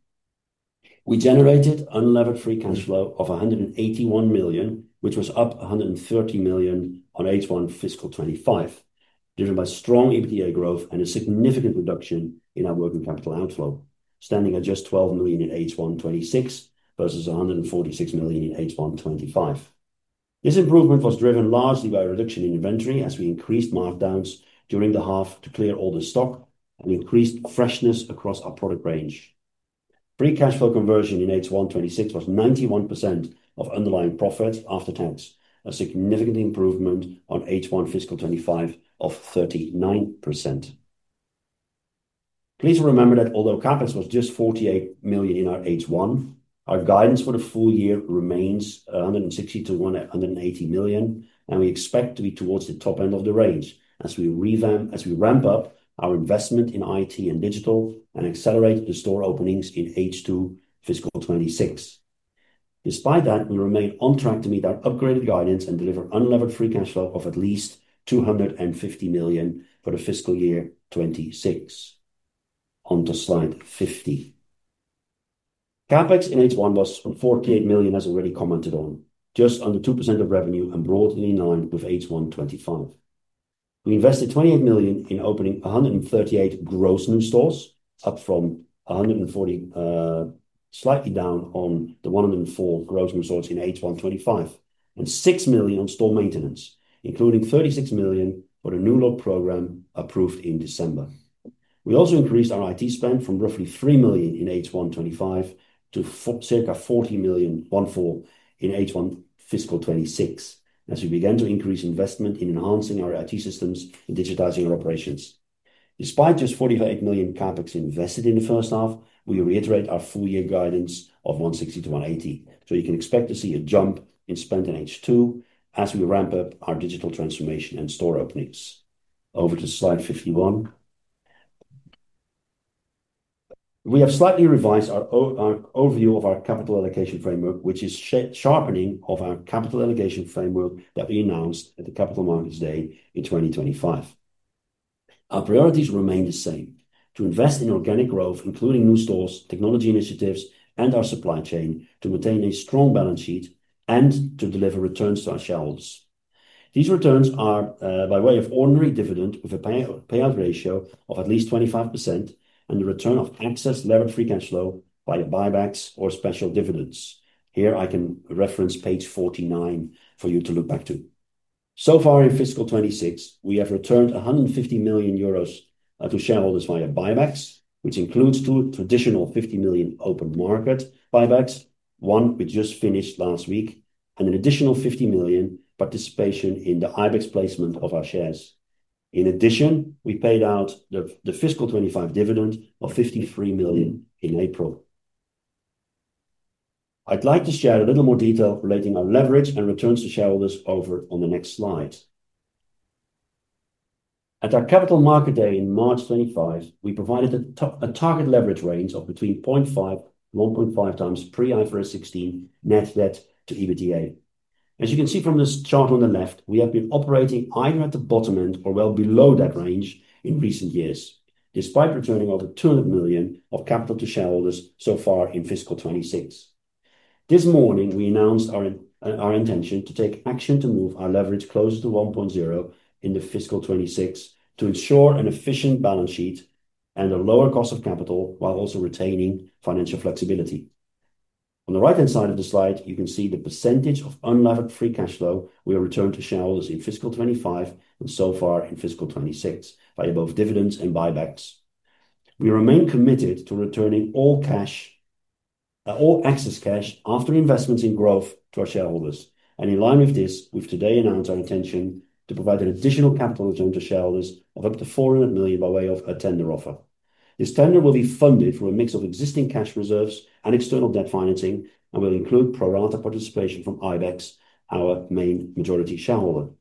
We generated unlevered free cash flow of 181 million, which was up 130 million on H1 FY 2025, driven by strong EBITDA growth and a significant reduction in our working capital outflow, standing at just 12 million in H1 2026 versus 146 million in H1 2025. This improvement was driven largely by a reduction in inventory as we increased markdowns during the half to clear older stock and increased freshness across our product range. Free cash flow conversion in H1 2026 was 91% of underlying profit after tax, a significant improvement on H1 FY 2025 of 39%. Please remember that although CapEx was just 48 million in our H1, our guidance for the full year remains 160 million-180 million, and we expect to be towards the top end of the range as we ramp up our investment in IT and digital and accelerate the store openings in H2 fiscal 2026. Despite that, we remain on track to meet our upgraded guidance and deliver unlevered free cash flow of at least 250 million for the fiscal year 2026. On to slide 50. CapEx in H1 was 148 million, as already commented on, just under 2% of revenue and broadly in line with H1 2025. We invested 28 million in opening 138 gross new stores, slightly down on the 104 gross new stores in H1 2025, and 6 million on store maintenance, including 36 million for the new look program approved in December. We also increased our IT spend from roughly 3 million in H1 2025 to circa 40 million in H1 fiscal 2026, as we began to increase investment in enhancing our IT systems and digitizing our operations. Despite just 48 million CapEx invested in the first half, we reiterate our full year guidance of 160 million-180 million, you can expect to see a jump in spend in H2 as we ramp up our digital transformation and store openings. Over to Slide 51. We have slightly revised our overview of our capital allocation framework, which is sharpening of our capital allocation framework that we announced at the Capital Markets Day in 2025. Our priorities remain the same, to invest in organic growth, including new stores, technology initiatives, and our supply chain, to maintain a strong balance sheet and to deliver returns to our shareholders. These returns are by way of ordinary dividend with a payout ratio of at least 25%, and the return of excess levered free cash flow via buybacks or special dividends. Here I can reference page 49 for you to look back to. So far in fiscal 2026, we have returned 150 million euros to shareholders via buybacks, which includes two traditional 50 million open market buybacks, one we just finished last week, and an additional 50 million participation in the IBEX placement of our shares. In addition, we paid out the fiscal 2025 dividend of 53 million in April. I'd like to share a little more detail relating our leverage and returns to shareholders over on the next slides. At our Capital Markets Day in March 2025, we provided a target leverage range of between 0.5x-1.5x pre IFRS 16 net debt to EBITDA. As you can see from this chart on the left, we have been operating either at the bottom end or well below that range in recent years, despite returning over 200 million of capital to shareholders so far in FY 2026. This morning, we announced our intention to take action to move our leverage closer to 1.0x into FY 2026 to ensure an efficient balance sheet and a lower cost of capital while also retaining financial flexibility. On the right-hand side of the slide, you can see the percentage of unlevered free cash flow we have returned to shareholders in FY 2025 and so far in FY 2026 via both dividends and buybacks. We remain committed to returning all excess cash after investments in growth to our shareholders. In line with this, we've today announced our intention to provide an additional capital return to shareholders of up to 400 million by way of a tender offer. This tender will be funded from a mix of existing cash reserves and external debt financing and will include pro rata participation from IBEX, our main majority shareholder.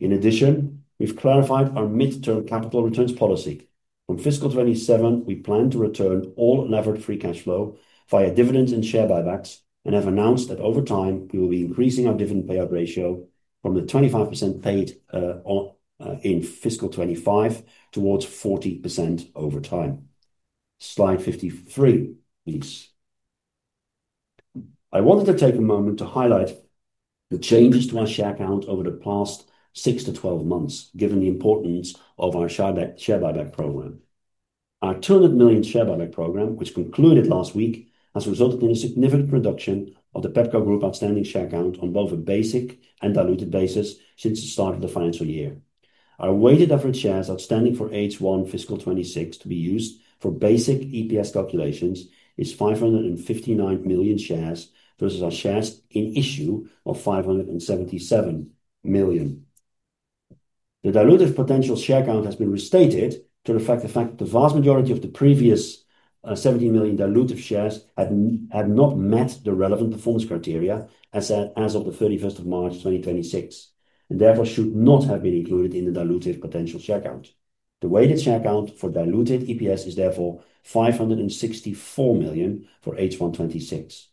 In addition, we've clarified our midterm capital returns policy. From FY 2027, we plan to return all unlevered free cash flow via dividends and share buybacks and have announced that over time we will be increasing our dividend payout ratio from the 25% paid in FY 2025 towards 40% over time. Slide 53, please. I wanted to take a moment to highlight the changes to our share count over the past six to 12 months, given the importance of our share buyback program. Our 200 million share buyback program, which concluded last week, has resulted in a significant reduction of the Pepco Group outstanding share count on both a basic and diluted basis since the start of the financial year. Our weighted average shares outstanding for H1 fiscal 2026 to be used for basic EPS calculations is 559 million shares versus our shares in issue of 577 million. The dilutive potential share count has been restated to reflect the fact that the vast majority of the previous 17 million dilutive shares had not met the relevant performance criteria as of the March 31st, 2026, and therefore should not have been included in the dilutive potential share count. The weighted share count for diluted EPS is therefore 564 million for H1 2026.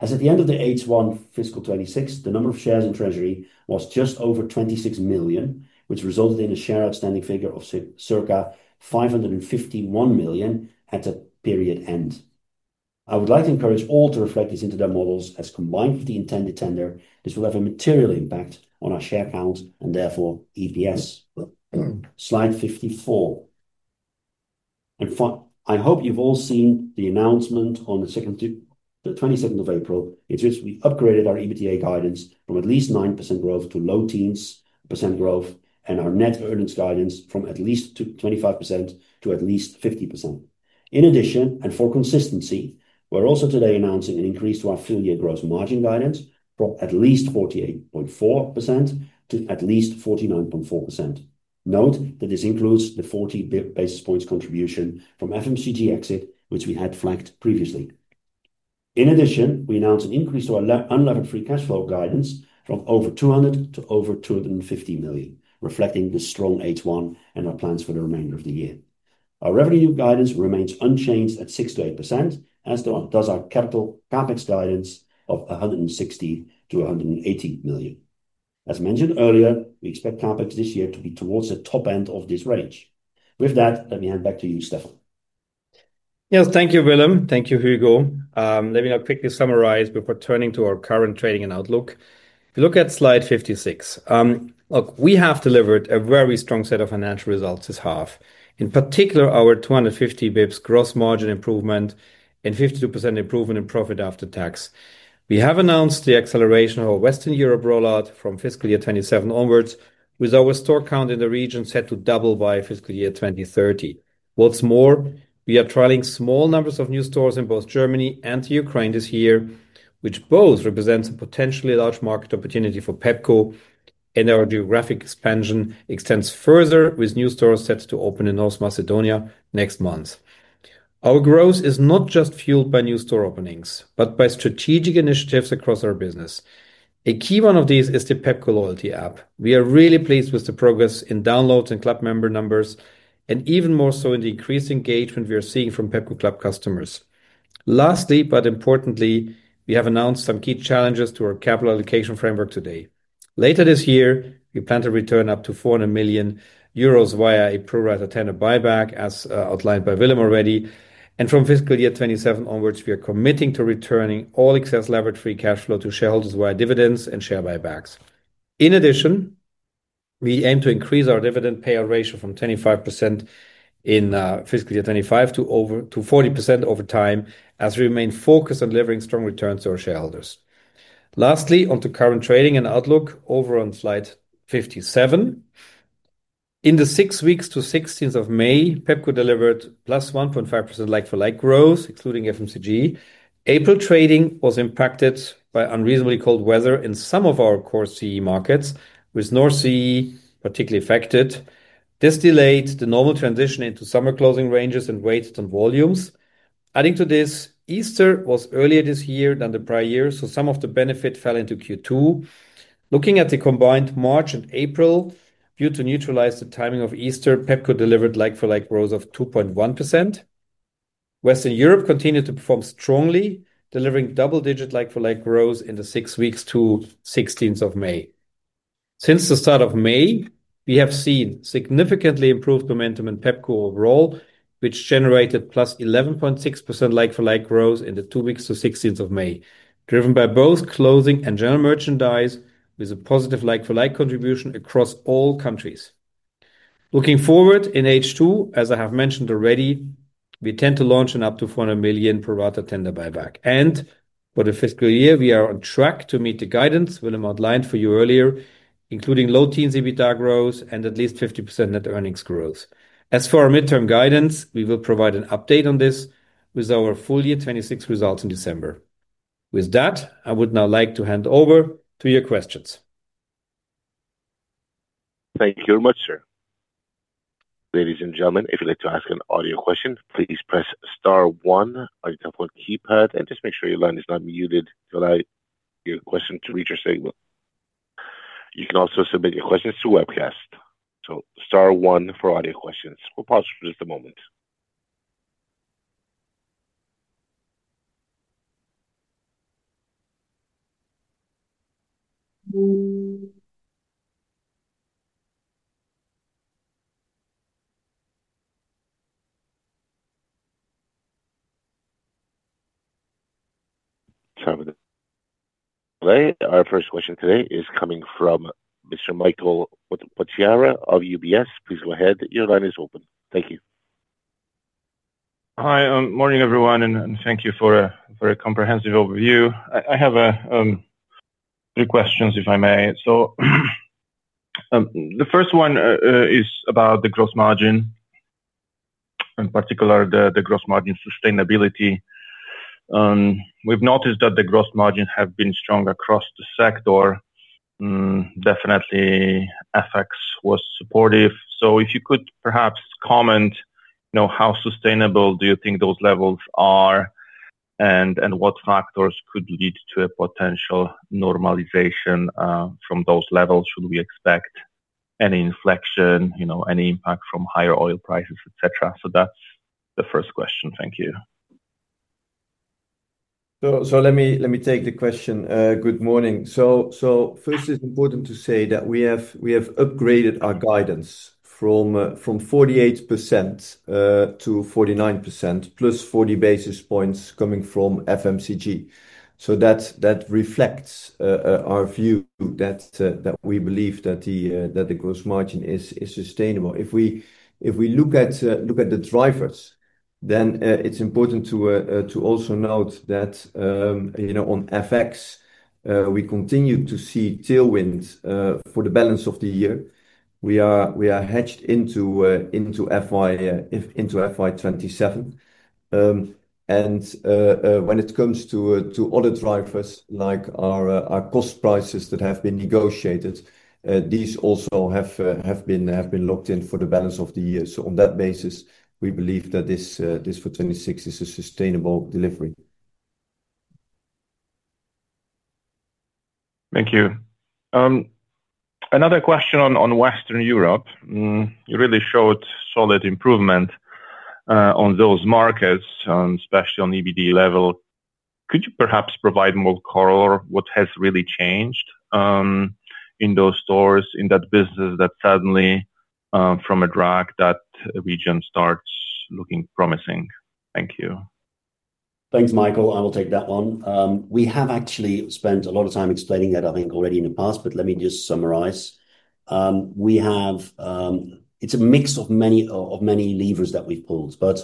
As at the end of the H1 fiscal 2026, the number of shares in treasury was just over 26 million, which resulted in a share outstanding figure of circa 551 million at the period end. I would like to encourage all to reflect this into their models as combined with the intended tender, this will have a material impact on our share count and therefore EPS. Slide 54. I hope you've all seen the announcement on the April 22nd. It's just we upgraded our EBITDA guidance from at least 9% growth to low teens percent growth, and our net earnings guidance from at least 25% to at least 50%. For consistency, we're also today announcing an increase to our full year gross margin guidance from at least 48.4% to at least 49.4%. Note that this includes the 40 basis points contribution from FMCG exit, which we had flagged previously. We announced an increase to our unlevered free cash flow guidance from over 200 million to over 250 million, reflecting the strong H1 and our plans for the remainder of the year. Our revenue guidance remains unchanged at 6%-8%, as does our capital CapEx guidance of 160 million-180 million. As mentioned earlier, we expect CapEx this year to be towards the top end of this range. With that, let me hand back to you, Stephan. Yes. Thank you, Willem. Thank you, Hugo. Let me now quickly summarize before turning to our current trading and outlook. If you look at Slide 56, look, we have delivered a very strong set of financial results this half. In particular, our 250 basis points gross margin improvement and 52% improvement in profit after tax. We have announced the acceleration of our Western Europe rollout from fiscal year 2027 onwards, with our store count in the region set to double by fiscal year 2030. What's more, we are trialing small numbers of new stores in both Germany and Ukraine this year, which both represents a potentially large market opportunity for Pepco. Our geographic expansion extends further, with new stores set to open in North Macedonia next month. Our growth is not just fueled by new store openings, but by strategic initiatives across our business. A key one of these is the Pepco loyalty app. We are really pleased with the progress in downloads and Club member numbers, and even more so in the increased engagement we are seeing from Pepco Club customers. Lastly, importantly, we have announced some key challenges to our capital allocation framework today. Later this year, we plan to return up to 400 million euros via a pro rata tender buyback, as outlined by Willem already. From FY 2027 onwards, we are committing to returning all excess levered free cash flow to shareholders via dividends and share buybacks. In addition, we aim to increase our dividend payout ratio from 25% in FY 2025 to 40% over time as we remain focused on delivering strong returns to our shareholders. Lastly, onto current trading and outlook over on Slide 57. In the six weeks to May 16th, Pepco delivered +1.5% like-for-like growth, including FMCG. April trading was impacted by unreasonably cold weather in some of our core CEE markets, with North CEE particularly affected. This delayed the normal transition into summer closing ranges and weights and volumes. Adding to this, Easter was earlier this year than the prior year, so some of the benefit fell into Q2. Looking at the combined March and April, due to neutralize the timing of Easter, Pepco delivered like-for-like growth of 2.1%. Western Europe continued to perform strongly, delivering double-digit like-for-like growth in the six weeks to May 16th. Since the start of May, we have seen significantly improved momentum in Pepco overall, which generated +11.6% like-for-like growth in the two weeks to May 16th, driven by both closing and general merchandise with a positive like-for-like contribution across all countries. Looking forward in H2, as I have mentioned already, we tend to launch an up to 400 million pro rata tender buyback. For the fiscal year, we are on track to meet the guidance Willem outlined for you earlier, including low teens EBITDA growth and at least 50% net earnings growth. For our midterm guidance, we will provide an update on this with our full year 2026 results in December. With that, I would now like to hand over to your questions. Thank you very much, sir. Ladies and gentlemen, if you'd like to ask an audio question, please press star one on your telephone keypad and just make sure your line is not muted to allow your question to reach our statement. You can also submit your questions through webcast. Star one for audio questions. We'll pause for just a moment. Our first question today is coming from Mr. Michal Potyra of UBS. Please go ahead. Your line is open. Thank you. Hi. Morning, everyone, thank you for a comprehensive overview. I have three questions, if I may. The first one is about the gross margin, in particular the gross margin sustainability. We've noticed that the gross margin have been strong across the sector. Definitely FX was supportive. If you could perhaps comment, how sustainable do you think those levels are and what factors could lead to a potential normalization from those levels? Should we expect any inflection, any impact from higher oil prices, et cetera? That's the first question. Thank you. Let me take the question. Good morning. First, it's important to say that we have upgraded our guidance from 48%-49%, +40 basis points coming from FMCG. That reflects our view that we believe that the gross margin is sustainable. If we look at the drivers, it's important to also note that, on FX, we continue to see tailwinds for the balance of the year. We are hedged into FY 2027. When it comes to other drivers, like our cost prices that have been negotiated, these also have been locked in for the balance of the year. On that basis, we believe that this for FY 2026 is a sustainable delivery. Thank you. Another question on Western Europe. You really showed solid improvement on those markets, especially on EBIT level. Could you perhaps provide more color what has really changed in those stores, in that business that suddenly, from a drag, that region starts looking promising? Thank you. Thanks, Michal. I will take that one. We have actually spent a lot of time explaining that, I think already in the past, but let me just summarize. It's a mix of many levers that we've pulled, but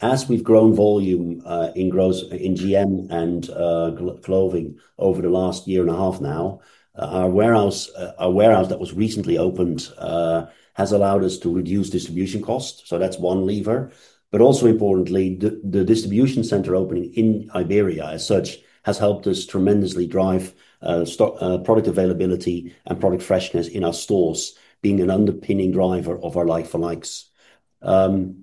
as we've grown volume in GM and clothing over the last year and a half now, our warehouse that was recently opened has allowed us to reduce distribution cost. That's one lever. Also importantly, the distribution center opening in Iberia as such has helped us tremendously drive product availability and product freshness in our stores, being an underpinning driver of our like-for-likes.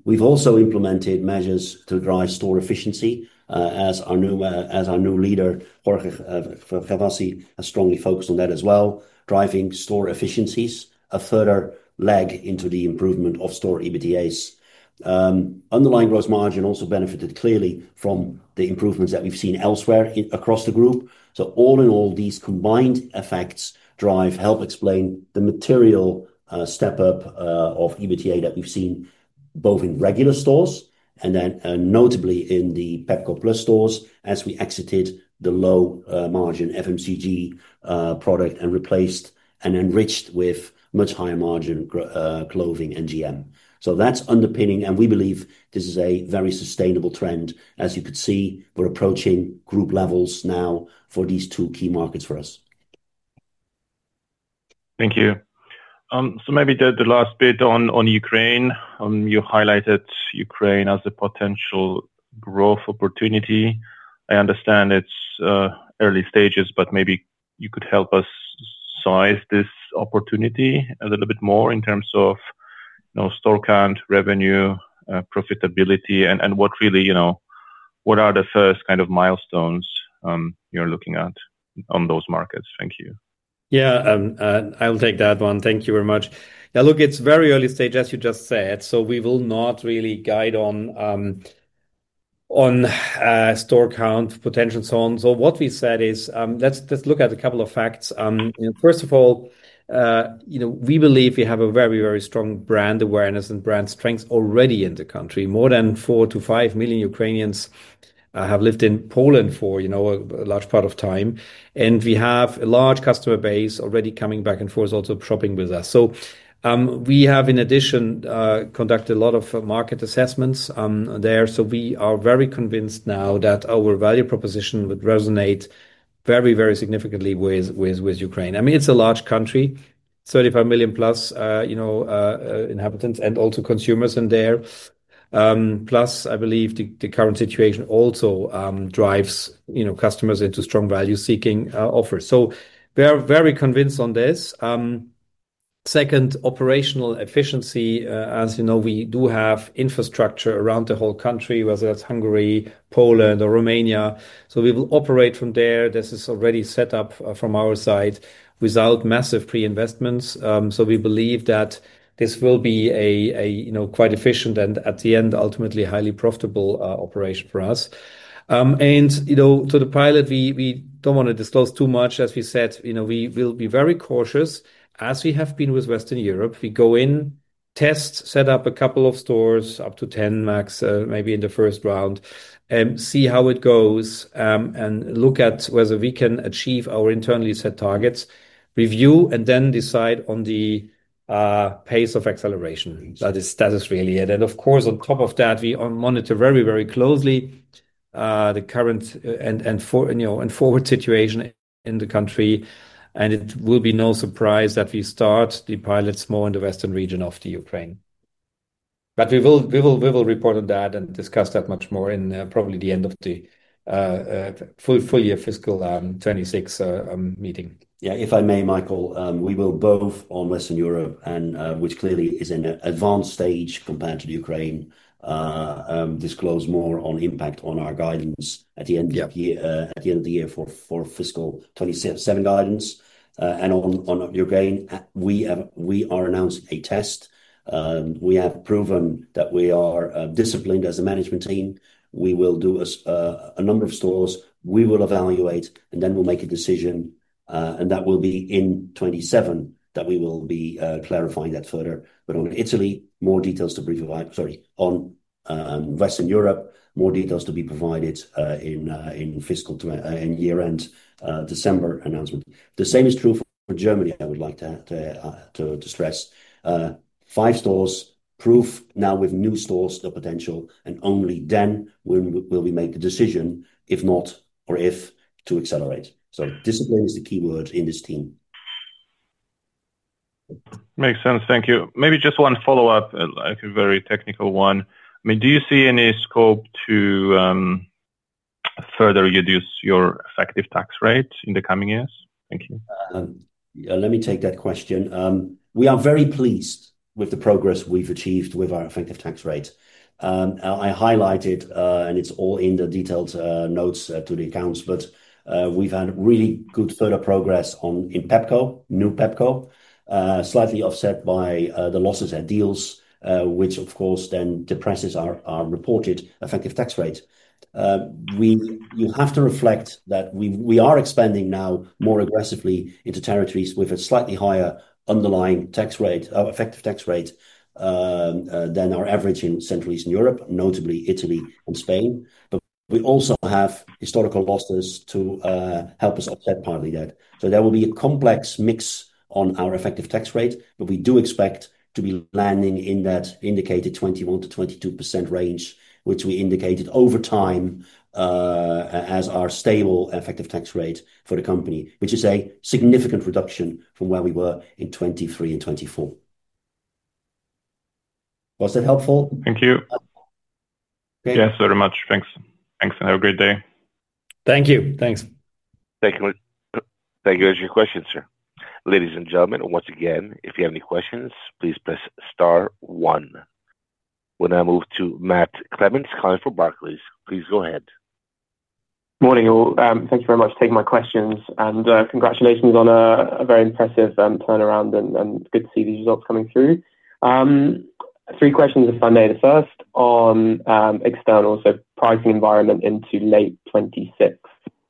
We've also implemented measures to drive store efficiency, as our new leader, Jorge Gervasi, has strongly focused on that as well, driving store efficiencies, a further leg into the improvement of store EBITDAs. Underlying gross margin also benefited clearly from the improvements that we've seen elsewhere across the group. All in all, these combined effects help explain the material step-up of EBITDA that we've seen both in regular stores and then notably in the Pepco Plus stores as we exited the low-margin FMCG product and replaced and enriched with much higher margin clothing and GM. That's underpinning, and we believe this is a very sustainable trend. As you could see, we're approaching group levels now for these two key markets for us. Thank you. Maybe the last bit on Ukraine. You highlighted Ukraine as a potential growth opportunity. I understand it's early stages, but maybe you could help us size this opportunity a little bit more in terms of store count, revenue, profitability, and what are the first kind of milestones you're looking at on those markets? Thank you. I will take that one. Thank you very much. It's very early stage, as you just said, we will not really guide on store count potential and so on. What we said is, let's look at a couple of facts. First of all, we believe we have a very strong brand awareness and brand strength already in the country. More than four to five million Ukrainians have lived in Poland for a large part of time, and we have a large customer base already coming back and forth, also shopping with us. We have, in addition, conducted a lot of market assessments there. We are very convinced now that our value proposition would resonate very significantly with Ukraine. It's a large country, 35 million+ inhabitants and also consumers in there. I believe the current situation also drives customers into strong value-seeking offers. We are very convinced on this. Second, operational efficiency. As you know, we do have infrastructure around the whole country, whether that's Hungary, Poland, or Romania. We will operate from there. This is already set up from our side without massive pre-investments. We believe that this will be quite efficient and, at the end, ultimately, a highly profitable operation for us. To the pilot, we don't want to disclose too much. As we said, we will be very cautious as we have been with Western Europe. We go in, test, set up a couple of stores, up to 10 stores max maybe in the first round, and see how it goes, and look at whether we can achieve our internally set targets, review, and then decide on the pace of acceleration. That is really it. Of course, on top of that, we monitor very closely the current and forward situation in the country, and it will be no surprise that we start the pilots more in the western region of the Ukraine. We will report on that and discuss that much more in probably the end of the full year fiscal 2026 meeting. Yeah. If I may, Michal, we will both on Western Europe, which clearly is in an advanced stage compared to Ukraine, disclose more on impact on our guidance at the end of the year for fiscal 2027 guidance. On Ukraine, we are announcing a test. We have proven that we are disciplined as a management team. We will do a number of stores, we will evaluate, then we'll make a decision, and that will be in 2027 that we will be clarifying that further. On Italy, more details to provide. Sorry. On Western Europe, more details to be provided in year-end December announcement. The same is true for Germany, I would like to stress. Five stores, proof now with new stores, the potential, only then will we make a decision, if not, or if, to accelerate. Discipline is the keyword in this team. Makes sense. Thank you. Maybe just one follow-up, like a very technical one. Do you see any scope to further reduce your effective tax rate in the coming years? Thank you. Let me take that question. We are very pleased with the progress we've achieved with our effective tax rate. I highlight it. It's all in the detailed notes to the accounts. We've had really good further progress in Pepco, new Pepco, slightly offset by the losses at Dealz, which of course then depresses our reported effective tax rate. You have to reflect that we are expanding now more aggressively into territories with a slightly higher underlying effective tax rate than our average in Central Eastern Europe, notably Italy and Spain. We also have historical losses to help us offset partly that. There will be a complex mix on our effective tax rate, but we do expect to be landing in that indicated 21%-22% range, which we indicated over time as our stable effective tax rate for the company, which is a significant reduction from where we were in 2023 and 2024. Was that helpful? Thank you. Okay. Yes, very much. Thanks, and have a great day. Thank you. Thanks. Thank you. Those are your questions, sir. Ladies and gentlemen, once again, if you have any questions, please press star one. We'll now move to Matthew Clements, calling for Barclays. Please go ahead. Morning, all. Thank you very much for taking my questions, congratulations on a very impressive turnaround and good to see these results coming through. Three questions, if I may. The first on external, pricing environment into late 2026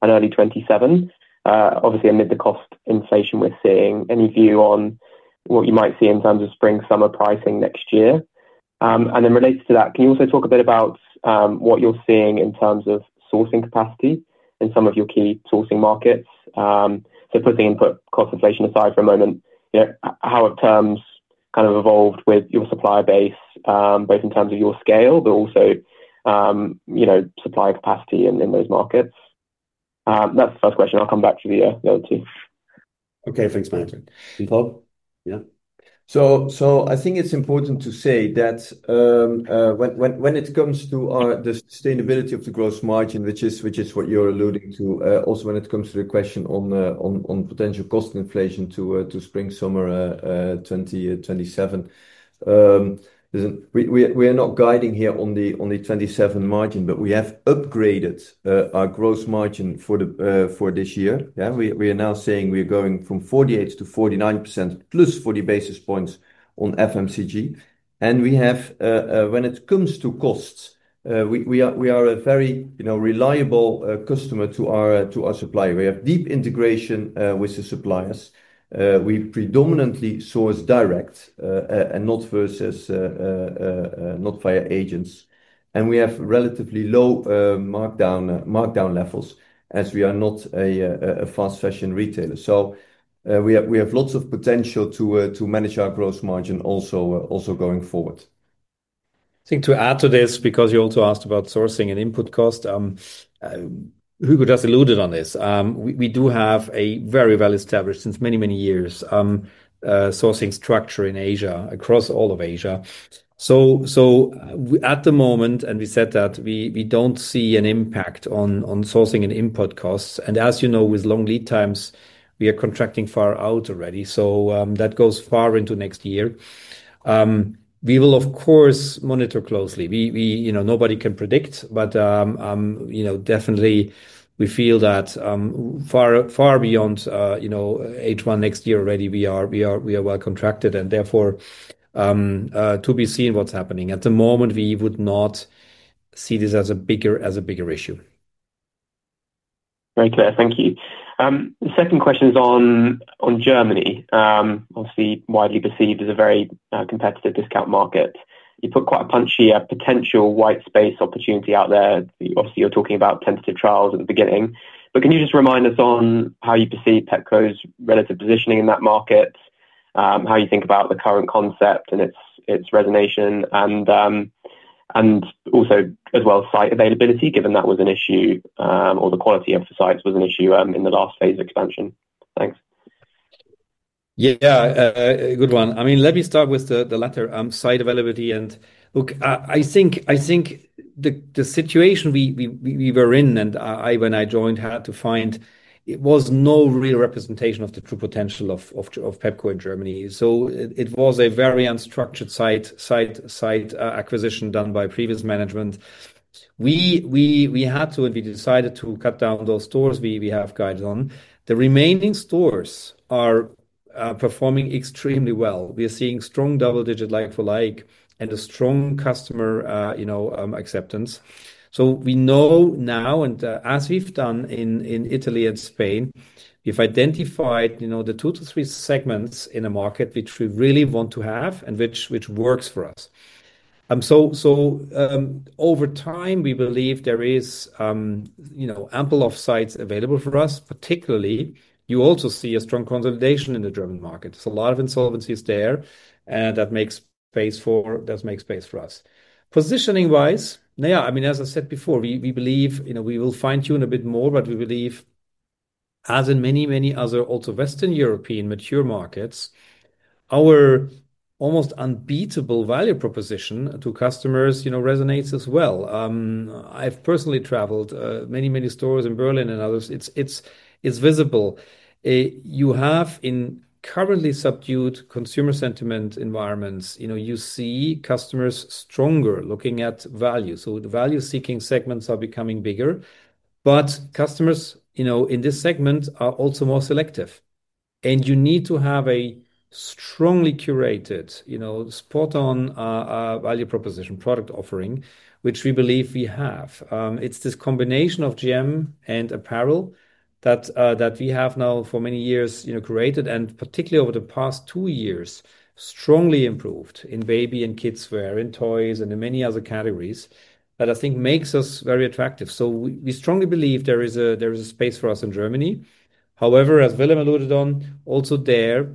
and early 2027. Obviously amid the cost inflation we're seeing, any view on what you might see in terms of spring/summer pricing next year? Related to that, can you also talk a bit about what you're seeing in terms of sourcing capacity in some of your key sourcing markets? Putting input cost inflation aside for a moment, how have terms kind of evolved with your supplier base, both in terms of your scale, but also supply capacity in those markets? That's the first question. I'll come back for the other two. Okay. Thanks, Matt. Tom? Yeah. I think it's important to say that when it comes to the sustainability of the gross margin, which is what you're alluding to, also when it comes to the question on potential cost inflation to spring/summer 2027. We are not guiding here on the '27 margin, but we have upgraded our gross margin for this year. Yeah. We are now saying we are going from 48%-49%, plus 40 basis points on FMCG. When it comes to costs, we are a very reliable customer to our supplier. We have deep integration with the suppliers. We predominantly source direct, and not via agents. We have relatively low markdown levels as we are not a fast fashion retailer. We have lots of potential to manage our gross margin also going forward. I think to add to this, because you also asked about sourcing and input cost, Hugo just alluded on this. We do have a very well-established, since many, many years, sourcing structure in Asia, across all of Asia. At the moment, we said that we don't see an impact on sourcing and input costs. As you know, with long lead times, we are contracting far out already. That goes far into next year. We will, of course, monitor closely. Nobody can predict, but definitely we feel that far beyond H1 next year already, we are well contracted, and therefore to be seen what's happening. At the moment, we would not see this as a bigger issue. Very clear. Thank you. Second question is on Germany. Obviously widely perceived as a very competitive discount market. You put quite a punchy potential white space opportunity out there. Obviously, you're talking about tentative trials at the beginning. Can you just remind us on how you perceive Pepco's relative positioning in that market? How you think about the current concept and its resonation and also as well, site availability, given that was an issue, or the quality of the sites was an issue in the last phase of expansion. Thanks. Yeah. Good one. Let me start with the latter, site availability. Look, I think the situation we were in, it was no real representation of the true potential of Pepco in Germany. It was a very unstructured site acquisition done by previous management. We decided to cut down those stores we have guides on. The remaining stores are performing extremely well. We are seeing strong double-digit like-for-like and a strong customer acceptance. We know now, and as we've done in Italy and Spain, we've identified the two to three segments in a market which we really want to have and which works for us. Over time, we believe there is ample of sites available for us. Particularly, you also see a strong consolidation in the German market. There's a lot of insolvencies there, and that makes space for us. Positioning-wise, as I said before, we believe we will fine tune a bit more. We believe, as in many, many other also Western European mature markets Our almost unbeatable value proposition to customers resonates as well. I've personally traveled many stores in Berlin and others. It's visible. You have in currently subdued consumer sentiment environments, you see customers stronger looking at value. The value-seeking segments are becoming bigger, but customers in this segment are also more selective. You need to have a strongly curated, spot-on value proposition product offering, which we believe we have. It's this combination of GM and apparel that we have now for many years created, and particularly over the past two years, strongly improved in baby and kidswear, in toys, and in many other categories that I think makes us very attractive. We strongly believe there is a space for us in Germany. However, as Willem alluded on, also there,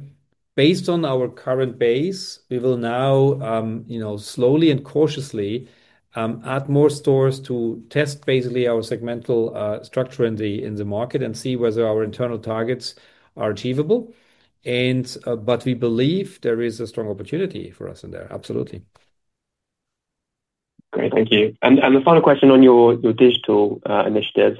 based on our current base, we will now slowly and cautiously add more stores to test basically our segmental structure in the market and see whether our internal targets are achievable. We believe there is a strong opportunity for us in there, absolutely. Great, thank you. The final question on your digital initiatives,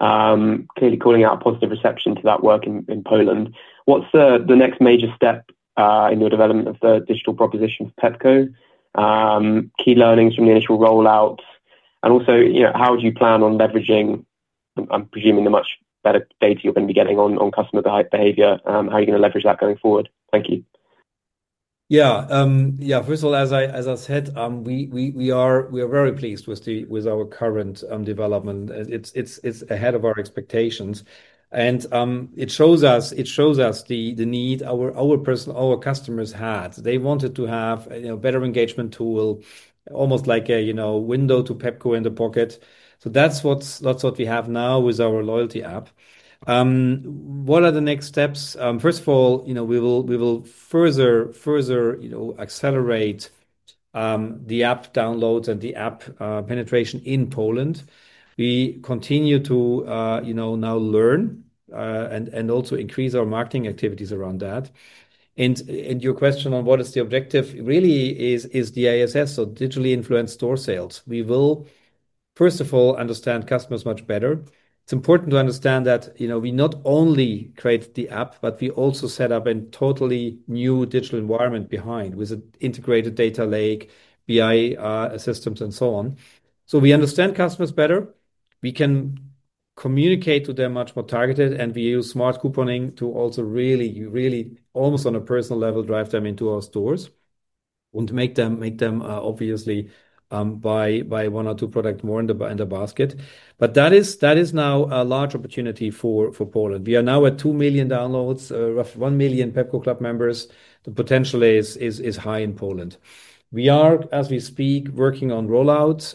clearly calling out positive reception to that work in Poland, what's the next major step in your development of the digital proposition for Pepco? Key learnings from the initial rollout, and also, how would you plan on leveraging, I'm presuming, the much better data you're going to be getting on customer behavior? How are you going to leverage that going forward? Thank you. Yeah. First of all, as I said, we are very pleased with our current development. It's ahead of our expectations. It shows us the need our customers had. They wanted to have a better engagement tool, almost like a window to Pepco in the pocket. That's what we have now with our loyalty app. What are the next steps? First of all, we will further accelerate the app downloads and the app penetration in Poland. We continue to now learn, and also increase our marketing activities around that. Your question on what is the objective really is the DISS, so digitally influenced store sales. We will, first of all, understand customers much better. It's important to understand that we not only create the app, but we also set up a totally new digital environment behind, with an integrated data lake, BI systems, and so on. We understand customers better, we can communicate with them much more targeted, and we use smart couponing to also really, almost on a personal level, drive them into our stores and make them obviously buy one or two product more in the basket. That is now a large opportunity for Poland. We are now at two million downloads, roughly one million Pepco Club members. The potential is high in Poland. We are, as we speak, working on rollout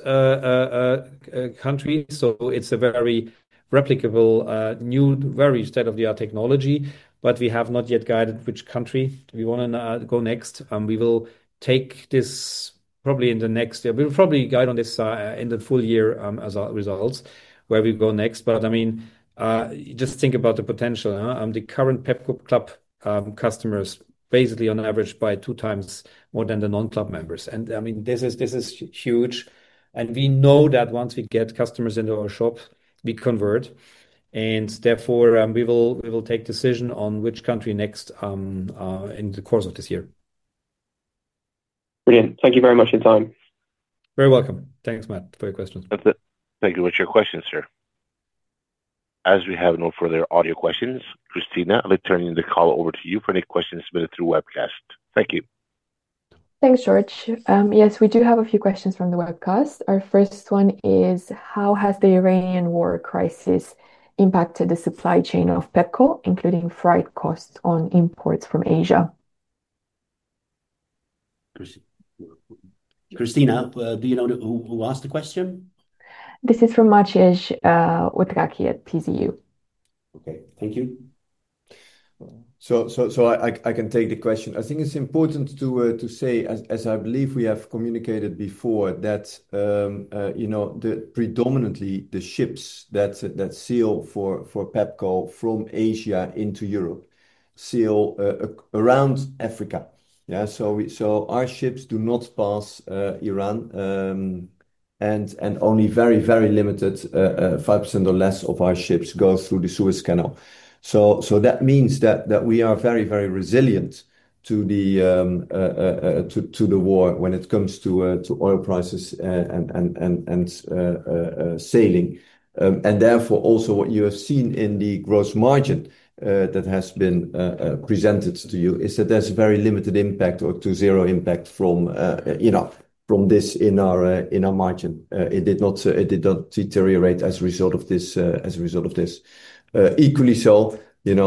country, it's a very replicable, new, very state-of-the-art technology, we have not yet guided which country we want to go next. We will take this probably in the next year. We'll probably guide on this in the full year as our results, where we go next. Just think about the potential. The current Pepco Club customers basically on average buy 2x more than the non-club members. This is huge. We know that once we get customers into our shop, we convert, and therefore, we will take decision on which country next in the course of this year. Brilliant. Thank you very much for your time. Very welcome. Thanks, Matthew, for your question. That's it. Thank you. That's your questions, sir. As we have no further audio questions, Christina, returning the call over to you for any questions submitted through webcast. Thank you. Thanks, George. Yes, we do have a few questions from the webcast. Our first one is, how has the Iranian war crisis impacted the supply chain of Pepco, including freight costs on imports from Asia? Christina, do you know who asked the question? This is from Maciej Wojtacki at PKO BP Securities. Okay. Thank you. I can take the question. I think it is important to say, as I believe we have communicated before, that predominantly the ships that sail for Pepco from Asia into Europe sail around Africa. Yeah, our ships do not pass Iran, and only very limited, 5% or less of our ships go through the Suez Canal. That means that we are very resilient to the war when it comes to oil prices and sailing. Therefore, also what you have seen in the gross margin that has been presented to you is that there is very limited impact or to zero impact from this in our margin. It did not deteriorate as a result of this.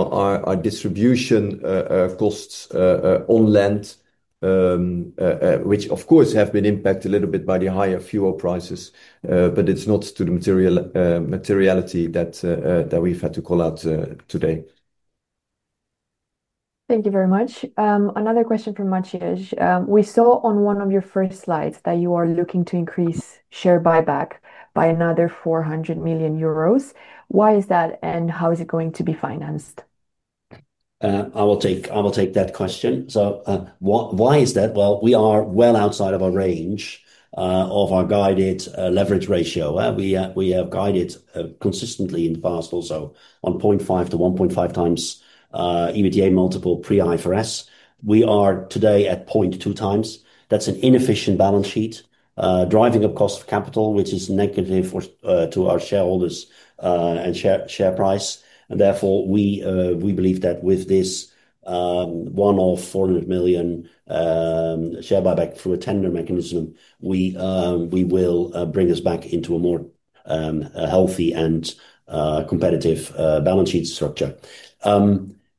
Our distribution costs on land, which of course, have been impacted a little bit by the higher fuel prices, but it's not to the materiality that we've had to call out today. Thank you very much. Another question from Maciej. We saw on one of your first slides that you are looking to increase share buyback by another 400 million euros. Why is that, and how is it going to be financed? I will take that question. Why is that? Well, we are well outside of our range of our guided leverage ratio. We have guided consistently in the past also on 0.5x-1.5x EBITDA multiple pre-IFRS. We are today at 0.2x. That's an inefficient balance sheet, driving up cost of capital, which is negative to our shareholders and share price. Therefore, we believe that with this one-off 400 million share buyback through a tender mechanism, we will bring us back into a more healthy and competitive balance sheet structure.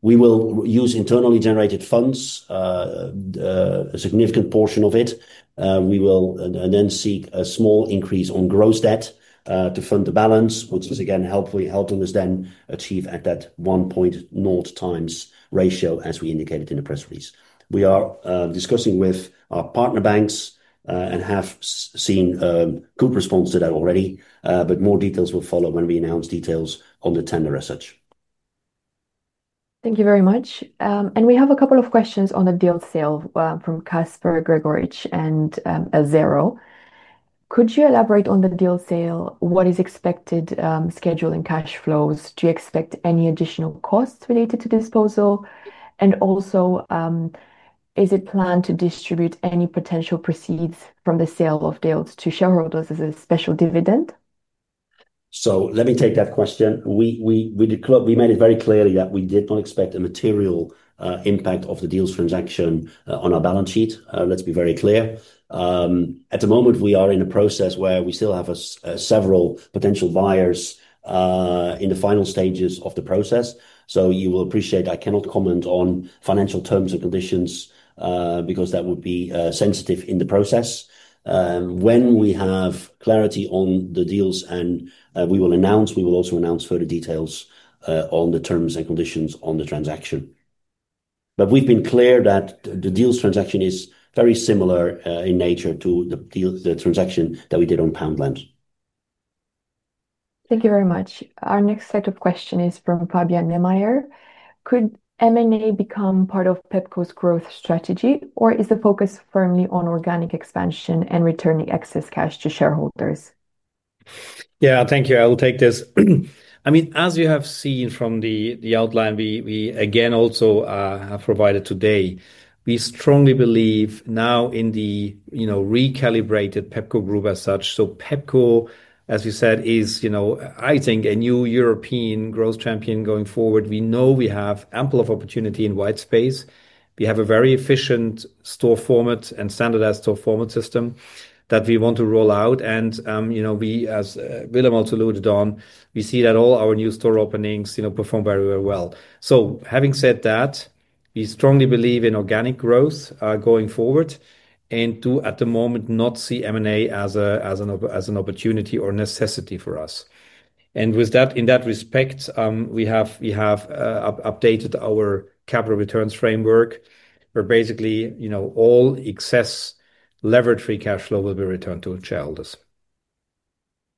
We will use internally generated funds, a significant portion of it. We will then seek a small increase on gross debt to fund the balance, which is again, helping us then achieve at that 1.0x ratio, as we indicated in the press release. We are discussing with our partner banks and have seen a good response to that already, but more details will follow when we announce details on the tender as such. Thank you very much. We have a couple of questions on the Dealz sale from Casper Gregorich and AZERO. Could you elaborate on the Dealz sale, what is expected schedule and cash flows? Do you expect any additional costs related to disposal? Also, is it planned to distribute any potential proceeds from the sale of Dealz to shareholders as a special dividend? Let me take that question. We made it very clear that we did not expect a material impact of the Dealz transaction on our balance sheet. Let's be very clear. At the moment, we are in a process where we still have several potential buyers in the final stages of the process. You will appreciate I cannot comment on financial terms and conditions because that would be sensitive in the process. When we have clarity on the Dealz, we will also announce further details on the terms and conditions on the transaction. We've been clear that the Dealz transaction is very similar in nature to the transaction that we did on Poundland. Thank you very much. Our next set of question is from Fabian Niemeyer. Could M&A become part of Pepco's growth strategy, or is the focus firmly on organic expansion and returning excess cash to shareholders? Yeah. Thank you. I will take this. As you have seen from the outline we again also have provided today, we strongly believe now in the recalibrated Pepco Group as such. Pepco, as you said, is I think a new European growth champion going forward. We know we have ample of opportunity in white space. We have a very efficient store format and standardized store format system that we want to roll out. We, as Willem also alluded on, we see that all our new store openings perform very well. Having said that, we strongly believe in organic growth going forward and to, at the moment, not see M&A as an opportunity or necessity for us. In that respect, we have updated our capital returns framework, where basically all excess leverage free cash flow will be returned to our shareholders.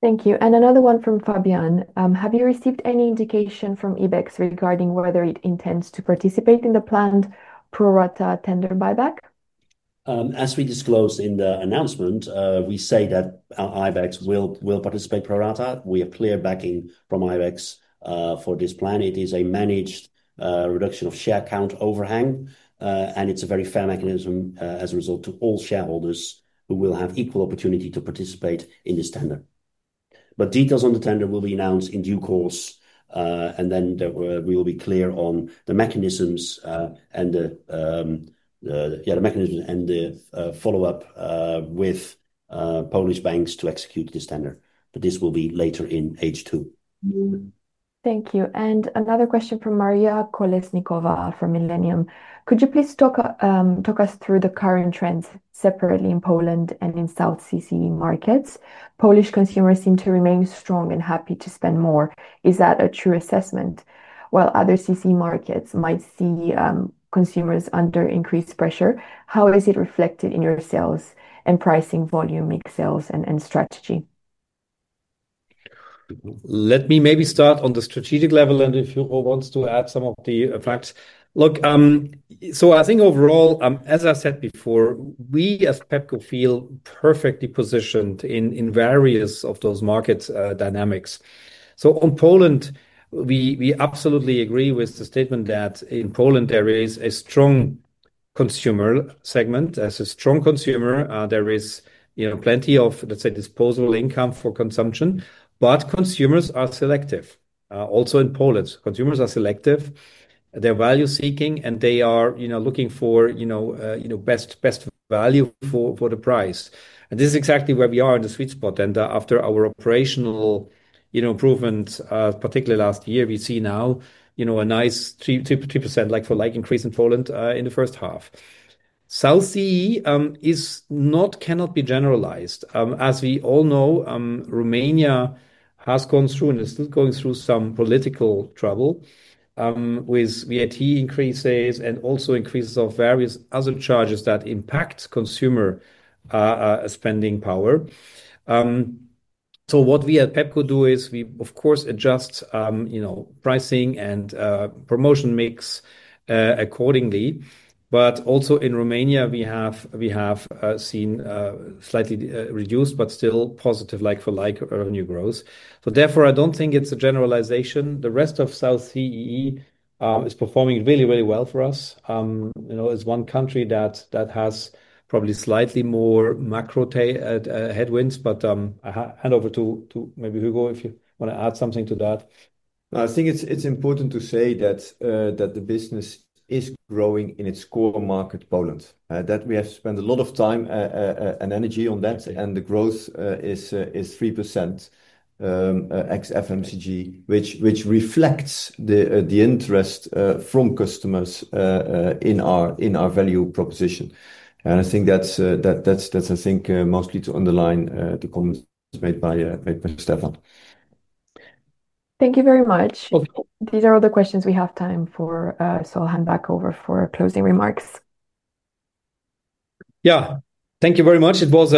Thank you. Another one from Fabian. Have you received any indication from IBEX regarding whether it intends to participate in the planned pro rata tender buyback? As we disclosed in the announcement, we say that IBEX will participate pro rata. We have clear backing from IBEX for this plan. It is a managed reduction of share count overhang, and it's a very fair mechanism as a result to all shareholders who will have equal opportunity to participate in this tender. Details on the tender will be announced in due course, and then we will be clear on the mechanisms and the follow-up with Polish banks to execute this tender. This will be later in H2. Thank you. Another question from Maria Kolesnikova from Millennium. Could you please talk us through the current trends separately in Poland and in South CEE markets? Polish consumers seem to remain strong and happy to spend more. Is that a true assessment? While other CEE markets might see consumers under increased pressure, how is it reflected in your sales and pricing volume, mix sales and strategy? Let me maybe start on the strategic level, if Hugo wants to add some of the facts. Look, I think overall, as I said before, we as Pepco feel perfectly positioned in various of those market dynamics. On Poland, we absolutely agree with the statement that in Poland there is a strong consumer segment. As a strong consumer, there is plenty of, let's say, disposable income for consumption, consumers are selective. Also in Poland, consumers are selective. They're value-seeking, they are looking for best value for the price. This is exactly where we are in the sweet spot. After our operational improvement, particularly last year, we see now a nice 3% like-for-like increase in Poland in the first half. South CEE cannot be generalized. As we all know, Romania has gone through and is still going through some political trouble with VAT increases and also increases of various other charges that impact consumer spending power. What we at Pepco do is we, of course, adjust pricing and promotion mix accordingly. Also in Romania, we have seen slightly reduced but still positive like-for-like revenue growth. Therefore, I don't think it's a generalization. The rest of South CEE is performing really well for us. It's one country that has probably slightly more macro headwinds. I hand over to maybe Hugo, if you want to add something to that. I think it's important to say that the business is growing in its core market, Poland, that we have spent a lot of time and energy on that, and the growth is 3% ex FMCG, which reflects the interest from customers in our value proposition. I think that's mostly to underline the comments made by Stephan. Thank you very much. These are all the questions we have time for, so I'll hand back over for closing remarks. Yeah. Thank you very much. It was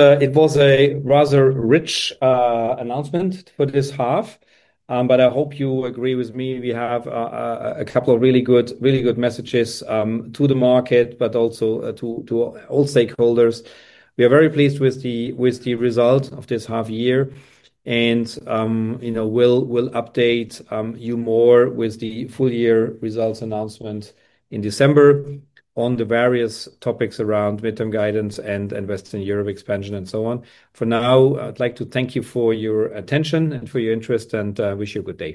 a rather rich announcement for this half. I hope you agree with me. We have a couple of really good messages to the market, but also to all stakeholders. We are very pleased with the result of this half year, and we'll update you more with the full year results announcement in December on the various topics around mid-term guidance and Western Europe expansion and so on. For now, I'd like to thank you for your attention and for your interest, and wish you a good day.